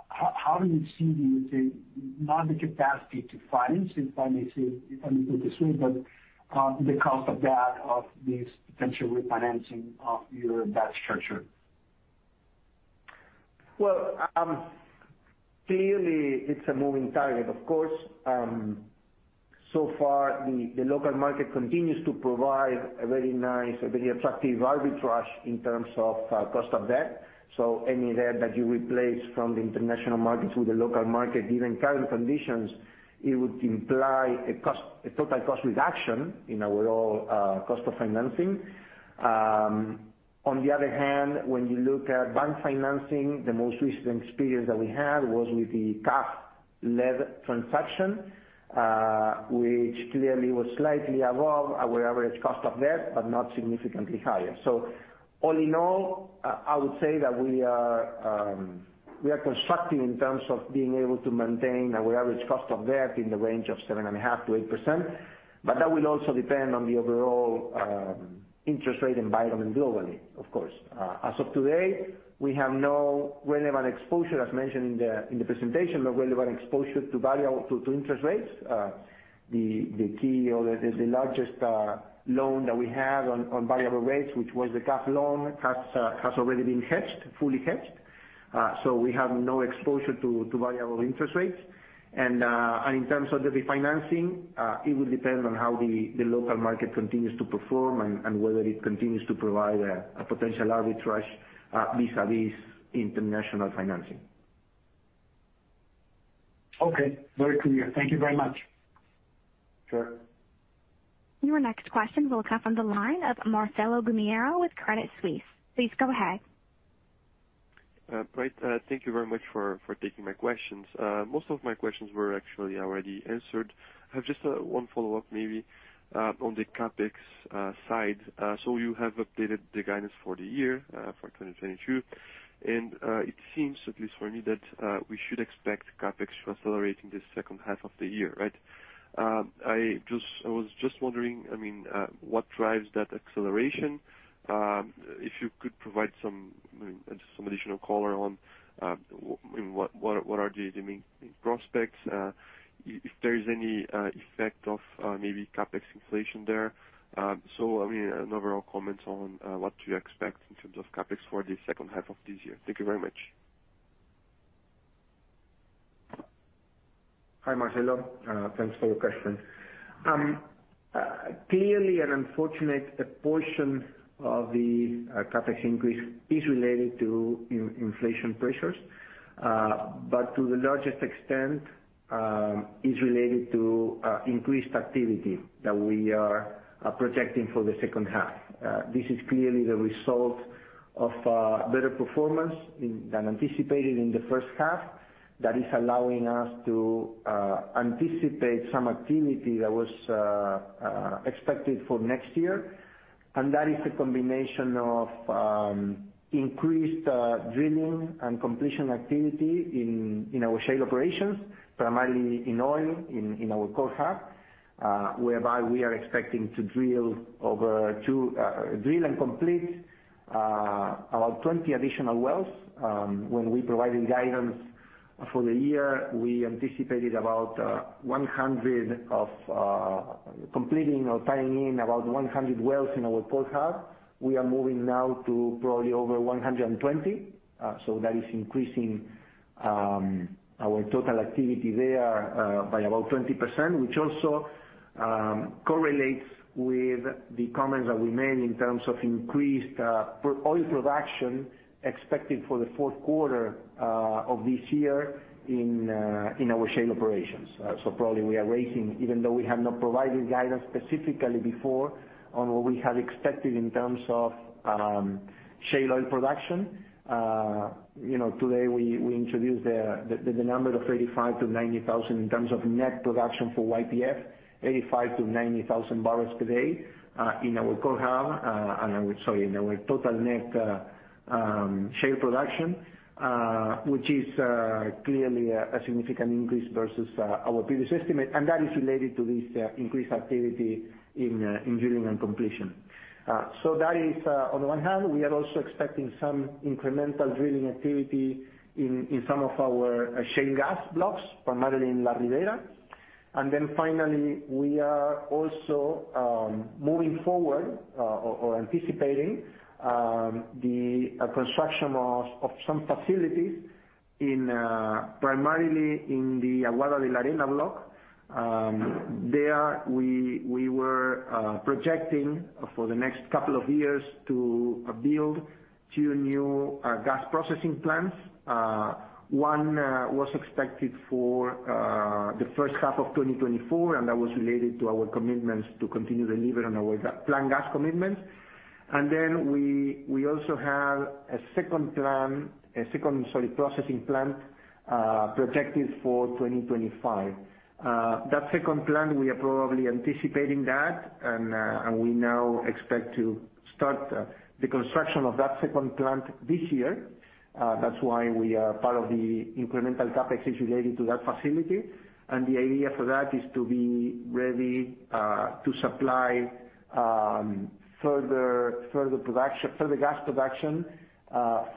How do you see the, not the capacity to finance, if I may say, if I may put this way, but the cost of debt of this potential refinancing of your debt structure? Well, clearly it's a moving target, of course. So far, the local market continues to provide a very nice, a very attractive arbitrage in terms of cost of debt. Any debt that you replace from the international market to the local market, given current conditions, it would imply a cost, a total cost reduction in our overall cost of financing. On the other hand, when you look at bank financing, the most recent experience that we had was with the CAF loan transaction, which clearly was slightly above our average cost of debt, but not significantly higher. All in all, I would say that we are constructive in terms of being able to maintain our average cost of debt in the range of 7.5%-8%, but that will also depend on the overall interest rate environment globally, of course. As of today, we have no relevant exposure, as mentioned in the presentation, to variable interest rates. The key or the largest loan that we have on variable rates, which was the CAF loan, has already been hedged, fully hedged. We have no exposure to variable interest rates. In terms of the refinancing, it will depend on how the local market continues to perform and whether it continues to provide a potential arbitrage vis-à-vis international financing. Okay, very clear. Thank you very much. Sure. Your next question will come from the line of Marcelo Gumiero with Credit Suisse. Please go ahead. Great. Thank you very much for taking my questions. Most of my questions were actually already answered. I have just one follow-up maybe on the CapEx side. You have updated the guidance for the year for 2022, and it seems, at least for me, that we should expect CapEx to accelerate in the second half of the year, right? I was just wondering, I mean, what drives that acceleration? If you could provide some, I mean, some additional color on what are the main prospects, if there is any effect of maybe CapEx inflation there. I mean, an overall comment on what you expect in terms of CapEx for the second half of this year. Thank you very much. Hi, Marcelo. Thanks for your question. Clearly an unfortunate portion of the CapEx increase is related to inflation pressures. To the largest extent, is related to increased activity that we are projecting for the second half. This is clearly the result of better performance than anticipated in the first half that is allowing us to anticipate some activity that was expected for next year. That is a combination of increased drilling and completion activity in our shale operations, primarily in oil in our core hub, whereby we are expecting to drill and complete about 20 additional wells. When we provided guidance for the year, we anticipated about 100 completing or tying in about 100 wells in our core hub. We are moving now to probably over 120. That is increasing our total activity there by about 20%. Which also correlates with the comments that we made in terms of increased oil production expected for the fourth quarter of this year in our shale operations. Probably we are raising, even though we have not provided guidance specifically before on what we had expected in terms of shale oil production. You know, today we introduced the number of 85,000-90,000 in terms of net production for YPF, 85,000-90,000 bpd in our core hub. In our total net shale production, which is clearly a significant increase versus our previous estimate, and that is related to this increased activity in drilling and completion. That is on one hand. We are also expecting some incremental drilling activity in some of our shale gas blocks, primarily in La Ribera. Then finally, we are also moving forward or anticipating the construction of some facilities primarily in the Aguada de la Arena block. There we were projecting for the next couple of years to build two new gas processing plants. One was expected for the first half of 2024, and that was related to our commitments to continue delivering on our Plan Gas commitments. We also have a second processing plant projected for 2025. That second plant, we are probably anticipating that, and we now expect to start the construction of that second plant this year. That's why part of the incremental CapEx is related to that facility. The idea for that is to be ready to supply further gas production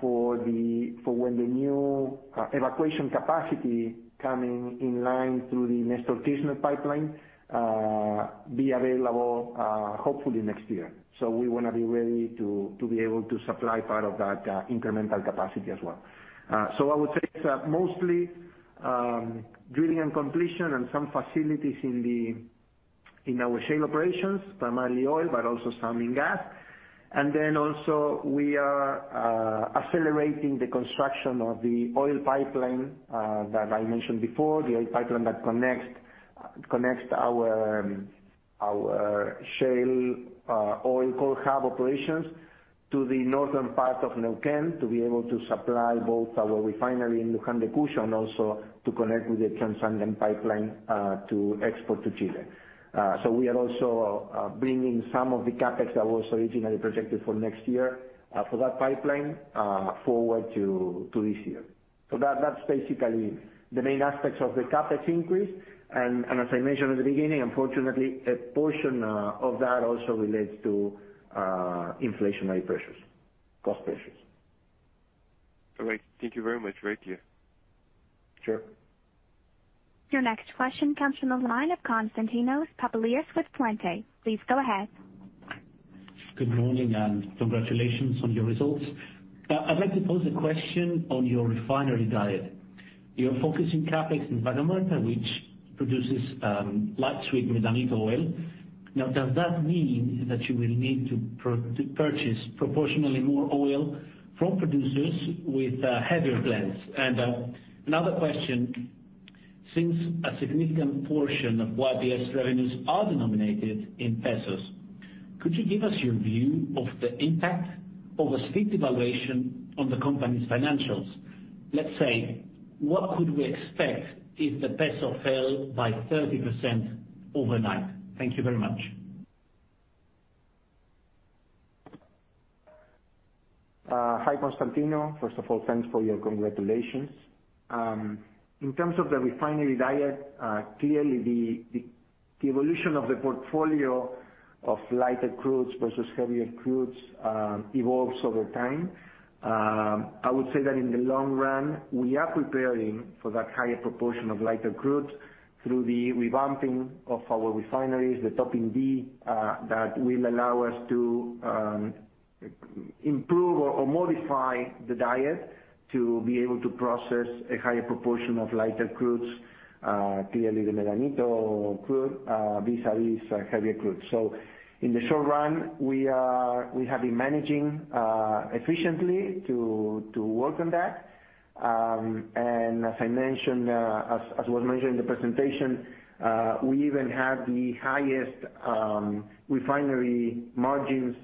for when the new evacuation capacity coming in line through the Néstor Kirchner pipeline be available, hopefully next year. We wanna be ready to be able to supply part of that incremental capacity as well. I would say it's mostly drilling and completion and some facilities in our shale operations, primarily oil, but also some in gas. We are also accelerating the construction of the oil pipeline that I mentioned before. The oil pipeline that connects our shale oil core hub operations to the northern part of Neuquén, to be able to supply both our refinery in Luján de Cuyo and also to connect with the Transandean pipeline to export to Chile. We are also bringing some of the CapEx that was originally projected for next year for that pipeline forward to this year. That's basically the main aspects of the CapEx increase. As I mentioned at the beginning, unfortunately, a portion of that also relates to inflationary pressures, cost pressures. All right. Thank you very much. Right to you. Sure. Your next question comes from the line of Constantinos Papalios with Puente. Please go ahead. Good morning, and congratulations on your results. I'd like to pose a question on your refinery diet. You're focusing CapEx in Vaca Muerta, which produces light sweet Medanito oil. Now, does that mean that you will need to purchase proportionally more oil from producers with heavier blends? Another question, since a significant portion of YPF's revenues are denominated in pesos, could you give us your view of the impact of a steep devaluation on the company's financials? Let's say, what could we expect if the peso fell by 30% overnight? Thank you very much. Hi, Constantinos. First of all, thanks for your congratulations. In terms of the refinery diet, clearly the evolution of the portfolio of lighter crudes versus heavier crudes evolves over time. I would say that in the long run, we are preparing for that higher proportion of lighter crudes through the revamping of our refineries, the topping unit that will allow us to improve or modify the diet. To be able to process a higher proportion of lighter crudes, clearly the Medanito crude vis-a-vis heavier crude. In the short run, we have been managing efficiently to work on that. As I mentioned, as was mentioned in the presentation, we even had the highest refinery margins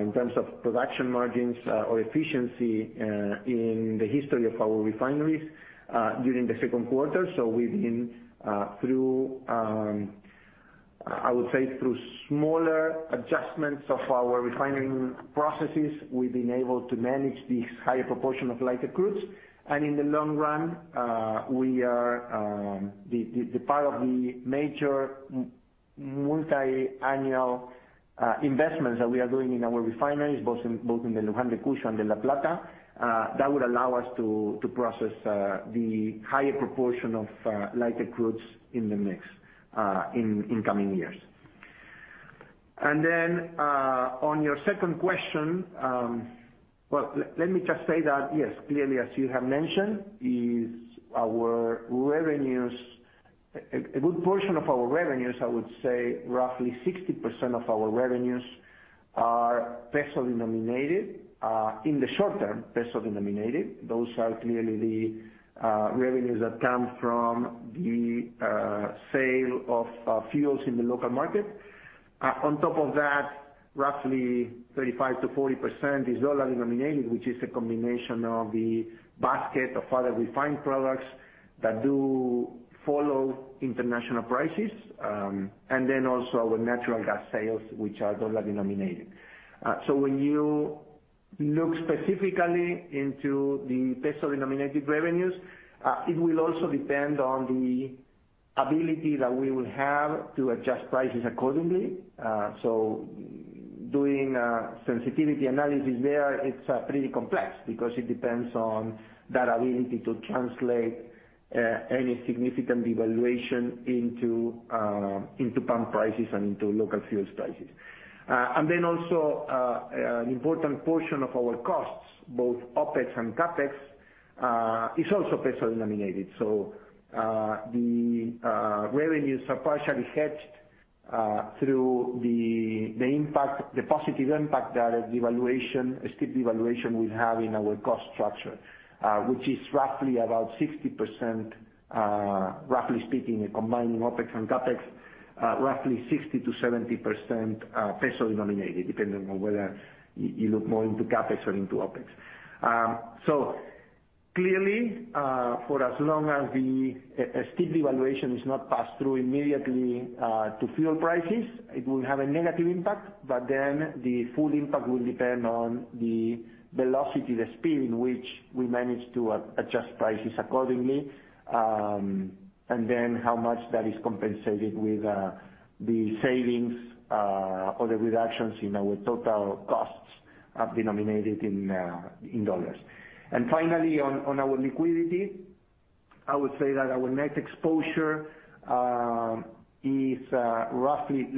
in terms of production margins or efficiency in the history of our refineries during the second quarter. I would say through smaller adjustments of our refining processes, we've been able to manage this higher proportion of lighter crudes. In the long run, we are the part of the major multi-annual investments that we are doing in our refineries, both in Luján de Cuyo and La Plata, that would allow us to process the higher proportion of lighter crudes in coming years. Yes, clearly, as you have mentioned, is our revenues, a good portion of our revenues, I would say roughly 60% of our revenues are peso-denominated. In the short term, peso-denominated. Those are clearly the revenues that come from the sale of fuels in the local market. On top of that, roughly 35%-40% is dollar-denominated, which is a combination of the basket of other refined products that do follow international prices, and then also with natural gas sales, which are dollar-denominated. So when you look specifically into the peso-denominated revenues, it will also depend on the ability that we will have to adjust prices accordingly. Doing sensitivity analysis there, it's pretty complex because it depends on that ability to translate any significant devaluation into pump prices and into local fuel prices. An important portion of our costs, both OpEx and CapEx, is also peso-denominated. The revenues are partially hedged through the positive impact that a devaluation, a steep devaluation will have in our cost structure, which is roughly about 60%, roughly speaking, combining OpEx and CapEx, roughly 60%-70% peso-denominated, depending on whether you look more into CapEx or into OpEx. Clearly, for as long as the steep devaluation is not passed through immediately to fuel prices, it will have a negative impact, but then the full impact will depend on the velocity, the speed in which we manage to adjust prices accordingly, and then how much that is compensated with the savings or the reductions in our total costs denominated in dollars. Finally, on our liquidity, I would say that our net exposure is roughly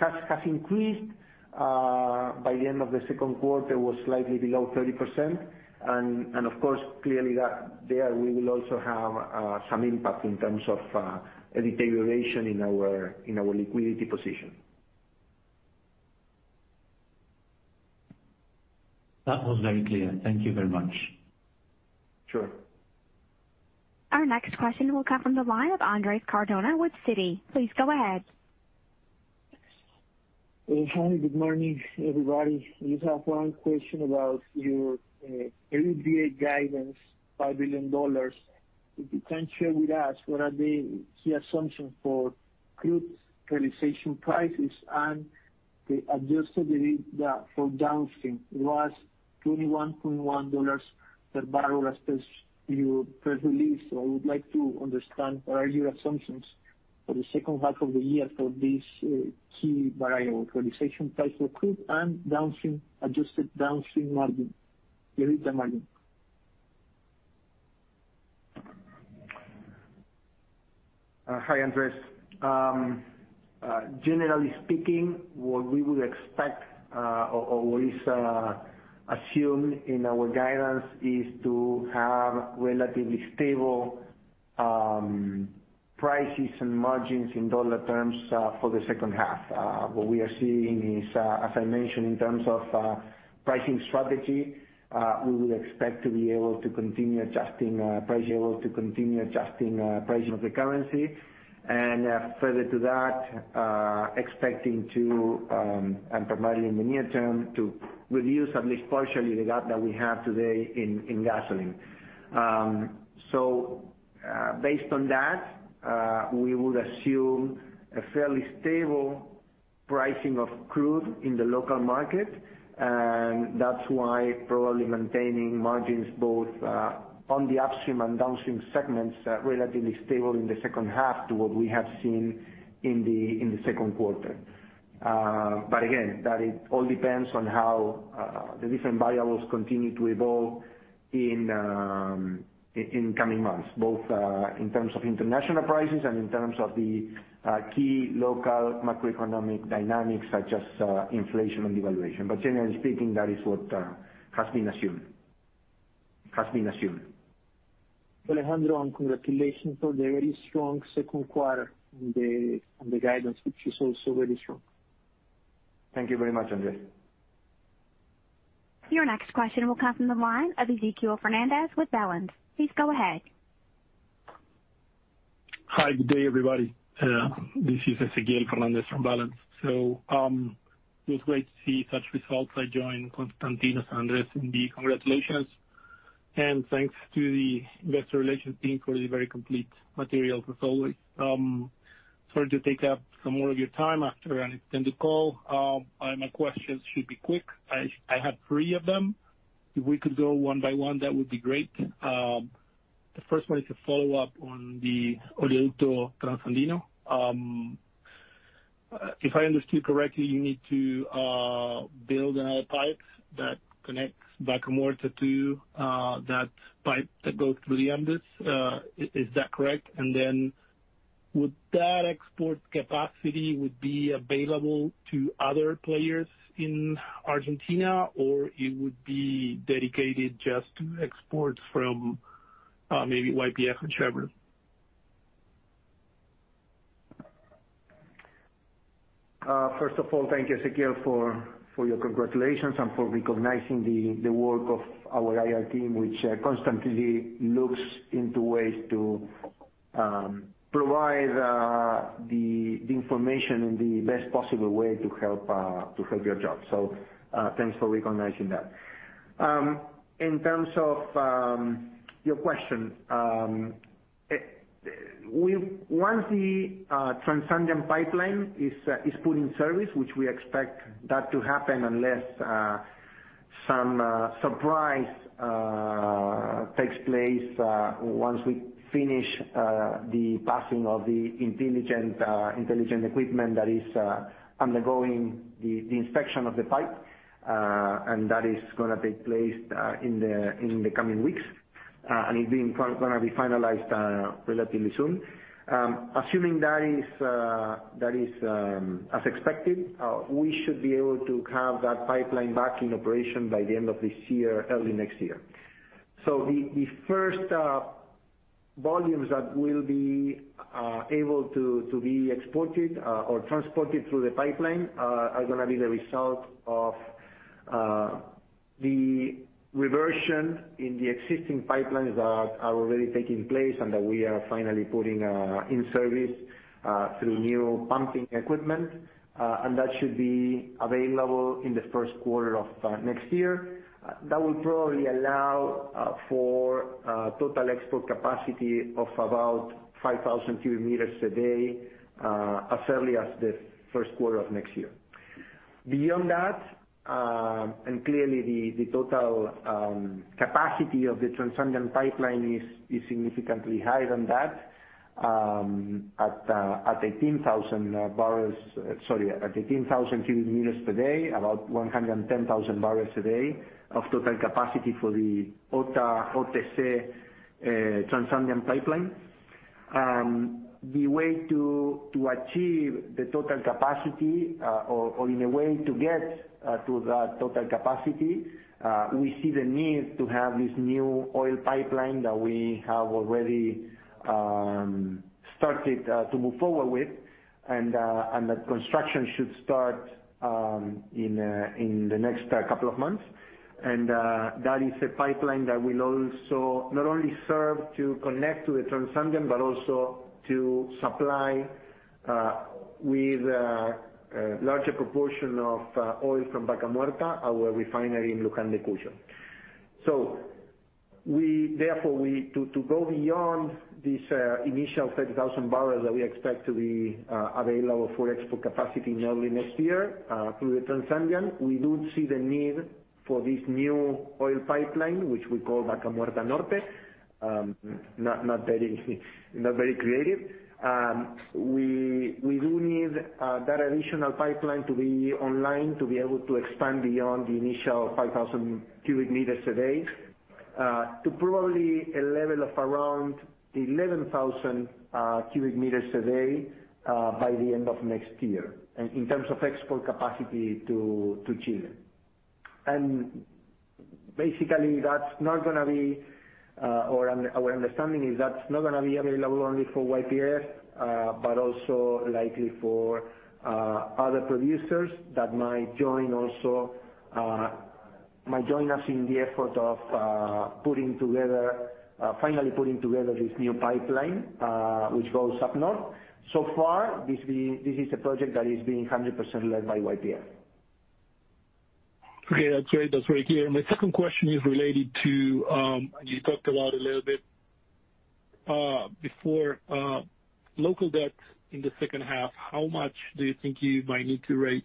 has increased. By the end of the second quarter, it was slightly below 30%. Of course, clearly that there we will also have some impact in terms of a deterioration in our liquidity position. That was very clear. Thank you very much. Sure. Our next question will come from the line of Andrés Cardona with Citi. Please go ahead. Hi. Good morning, everybody. Just have one question about your EBITDA guidance, $5 billion. If you can share with us what are the key assumptions for crude realization prices and the adjusted EBITDA for downstream. It was $21.1 per barrel, as per your press release. I would like to understand what are your assumptions for the second half of the year for this key variable, realization price for crude and downstream, adjusted downstream margin, EBITDA margin. Hi, Andrés. Generally speaking, what we would expect or is assumed in our guidance is to have relatively stable prices and margins in dollar terms for the second half. What we are seeing is, as I mentioned, in terms of pricing strategy, we would expect to be able to continue adjusting pricing of the currency. Further to that, expecting to and primarily in the near term to reduce at least partially the gap that we have today in gasoline. Based on that, we would assume a fairly stable pricing of crude in the local market. That's why probably maintaining margins both on the upstream and downstream segments are relatively stable in the second half to what we have seen in the second quarter. Again, that it all depends on how the different variables continue to evolve in coming months, both in terms of international prices and in terms of the key local macroeconomic dynamics, such as inflation and devaluation. Generally speaking, that is what has been assumed. Alejandro, congratulations for the very strong second quarter and the guidance, which is also very strong. Thank you very much, Andrés. Your next question will come from the line of Ezequiel Fernández with Balanz. Please go ahead. Hi. Good day, everybody. This is Ezequiel Fernandez from Balanz. It was great to see such results. I join Constantinos, Andrés, in the congratulations. Thanks to the investor relations team for the very complete materials as always. Sorry to take up some more of your time after an extended call. My questions should be quick. I have three of them. If we could go one by one, that would be great. The first one is a follow-up on the Oleoducto Trasandino. If I understood correctly, you need to build another pipe that connects Vaca Muerta to that pipe that goes to Luján de Cuyo. Is that correct? Then would that export capacity would be available to other players in Argentina, or it would be dedicated just to exports from maybe YPF and Chevron? First of all, thank you, Ezequiel, for your congratulations and for recognizing the work of our IR team, which constantly looks into ways to provide the information in the best possible way to help your job. Thanks for recognizing that. In terms of your question, once the Transandean pipeline is put in service, which we expect that to happen unless some surprise takes place, once we finish the passing of the intelligent equipment that is undergoing the inspection of the pipe. That is gonna take place in the coming weeks and is gonna be finalized relatively soon. Assuming that is as expected, we should be able to have that pipeline back in operation by the end of this year, early next year. The first volumes that will be able to be exported or transported through the pipeline are gonna be the result of the reversion in the existing pipelines that are already taking place and that we are finally putting in service through new pumping equipment. That should be available in the first quarter of next year. That will probably allow for total export capacity of about 5,000 cubic meters a day as early as the first quarter of next year. Beyond that, clearly the total capacity of the Transandean pipeline is significantly higher than that, at 18,000 cubic meters per day, about 110,000 bpd of total capacity for the OTA, OTC, Transandean pipeline. The way to achieve the total capacity, or in a way to get to that total capacity, we see the need to have this new oil pipeline that we have already started to move forward with. The construction should start in the next couple of months. That is a pipeline that will also not only serve to connect to the Transandean, but also to supply with a larger proportion of oil from Vaca Muerta, our refinery in Luján de Cuyo. To go beyond this initial 30,000 bbl that we expect to be available for export capacity in early next year through the Transandean, we do see the need for this new oil pipeline, which we call Vaca Muerta Norte, not very creative. We do need that additional pipeline to be online to be able to expand beyond the initial 5,000 cubic meters a day to probably a level of around 11,000 cubic meters a day by the end of next year in terms of export capacity to Chile. Basically, that's not gonna be available only for YPF, but also likely for other producers that might join us in the effort of finally putting together this new pipeline, which goes up north. So far, this is a project that is being 100% led by YPF. Okay, that's great. That's very clear. My second question is related to, and you talked about a little bit, before, local debt in the second half. How much do you think you might need to raise?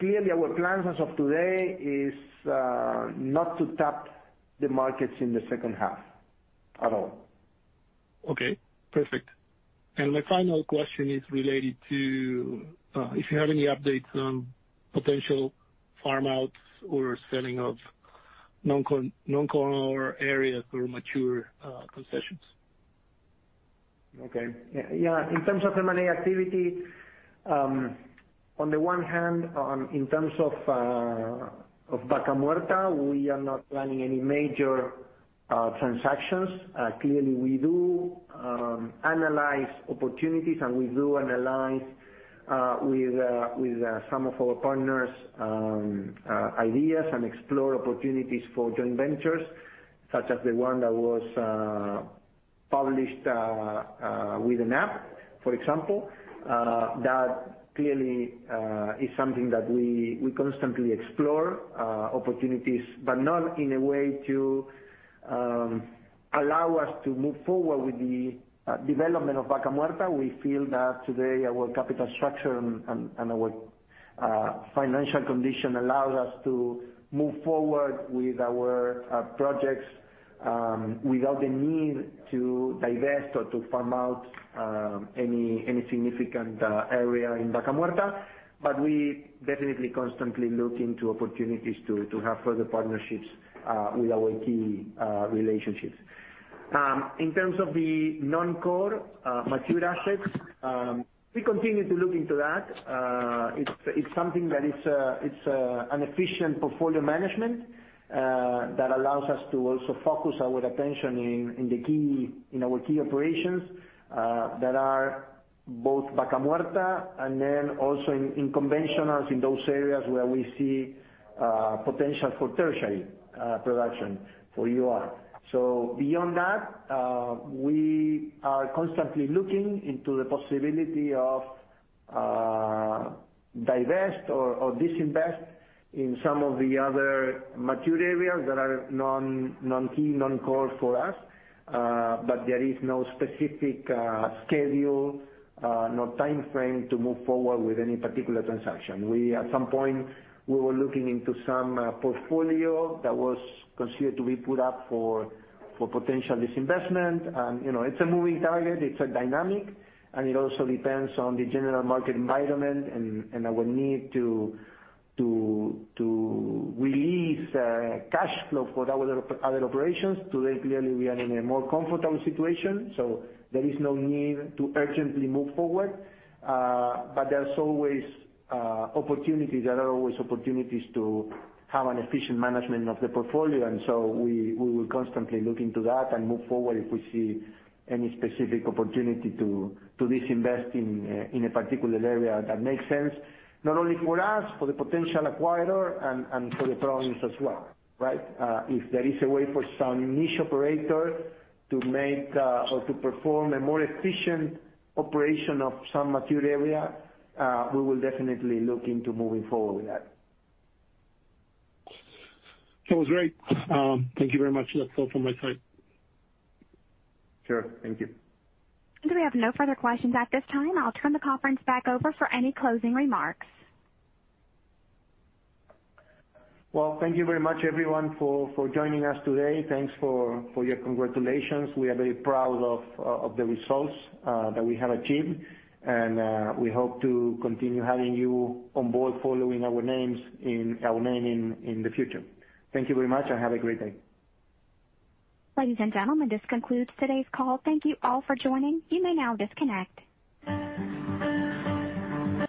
Clearly our plans as of today is not to tap the markets in the second half at all. Okay, perfect. My final question is related to if you have any updates on potential farm-outs or selling of non-core or areas or mature concessions? Okay. Yeah. In terms of M&A activity, on the one hand, in terms of Vaca Muerta, we are not planning any major transactions. Clearly, we analyze opportunities, and we analyze with some of our partners ideas and explore opportunities for joint ventures, such as the one that was published with Enap, for example. That clearly is something that we constantly explore opportunities. Not in a way to allow us to move forward with the development of Vaca Muerta. We feel that today our capital structure and our financial condition allows us to move forward with our projects without the need to divest or to farm out any significant area in Vaca Muerta. We definitely constantly look into opportunities to have further partnerships with our key relationships. In terms of the non-core mature assets, we continue to look into that. It's something that is an efficient portfolio management that allows us to also focus our attention in our key operations that are both Vaca Muerta, and then also in conventionals, in those areas where we see potential for tertiary production for ER. Beyond that, we are constantly looking into the possibility of divest or disinvest in some of the other mature areas that are non-key, non-core for us. There is no specific schedule, no timeframe to move forward with any particular transaction. At some point, we were looking into some portfolio that was considered to be put up for potential disinvestment. You know, it's a moving target, it's a dynamic, and it also depends on the general market environment and our need to release cash flow for our other operations. Today, clearly we are in a more comfortable situation. There is no need to urgently move forward. But there's always opportunities. There are always opportunities to have an efficient management of the portfolio. We will constantly look into that and move forward if we see any specific opportunity to disinvest in a particular area that makes sense, not only for us, for the potential acquirer and for the province as well, right? If there is a way for some niche operator to make, or to perform a more efficient operation of some mature area, we will definitely look into moving forward with that. That was great. Thank you very much. That's all from my side. Sure. Thank you. We have no further questions at this time. I'll turn the conference back over for any closing remarks. Well, thank you very much everyone for joining us today. Thanks for your congratulations. We are very proud of the results that we have achieved, and we hope to continue having you on board following our name in the future. Thank you very much, and have a great day. Ladies and gentlemen, this concludes today's call. Thank you all for joining. You may now disconnect.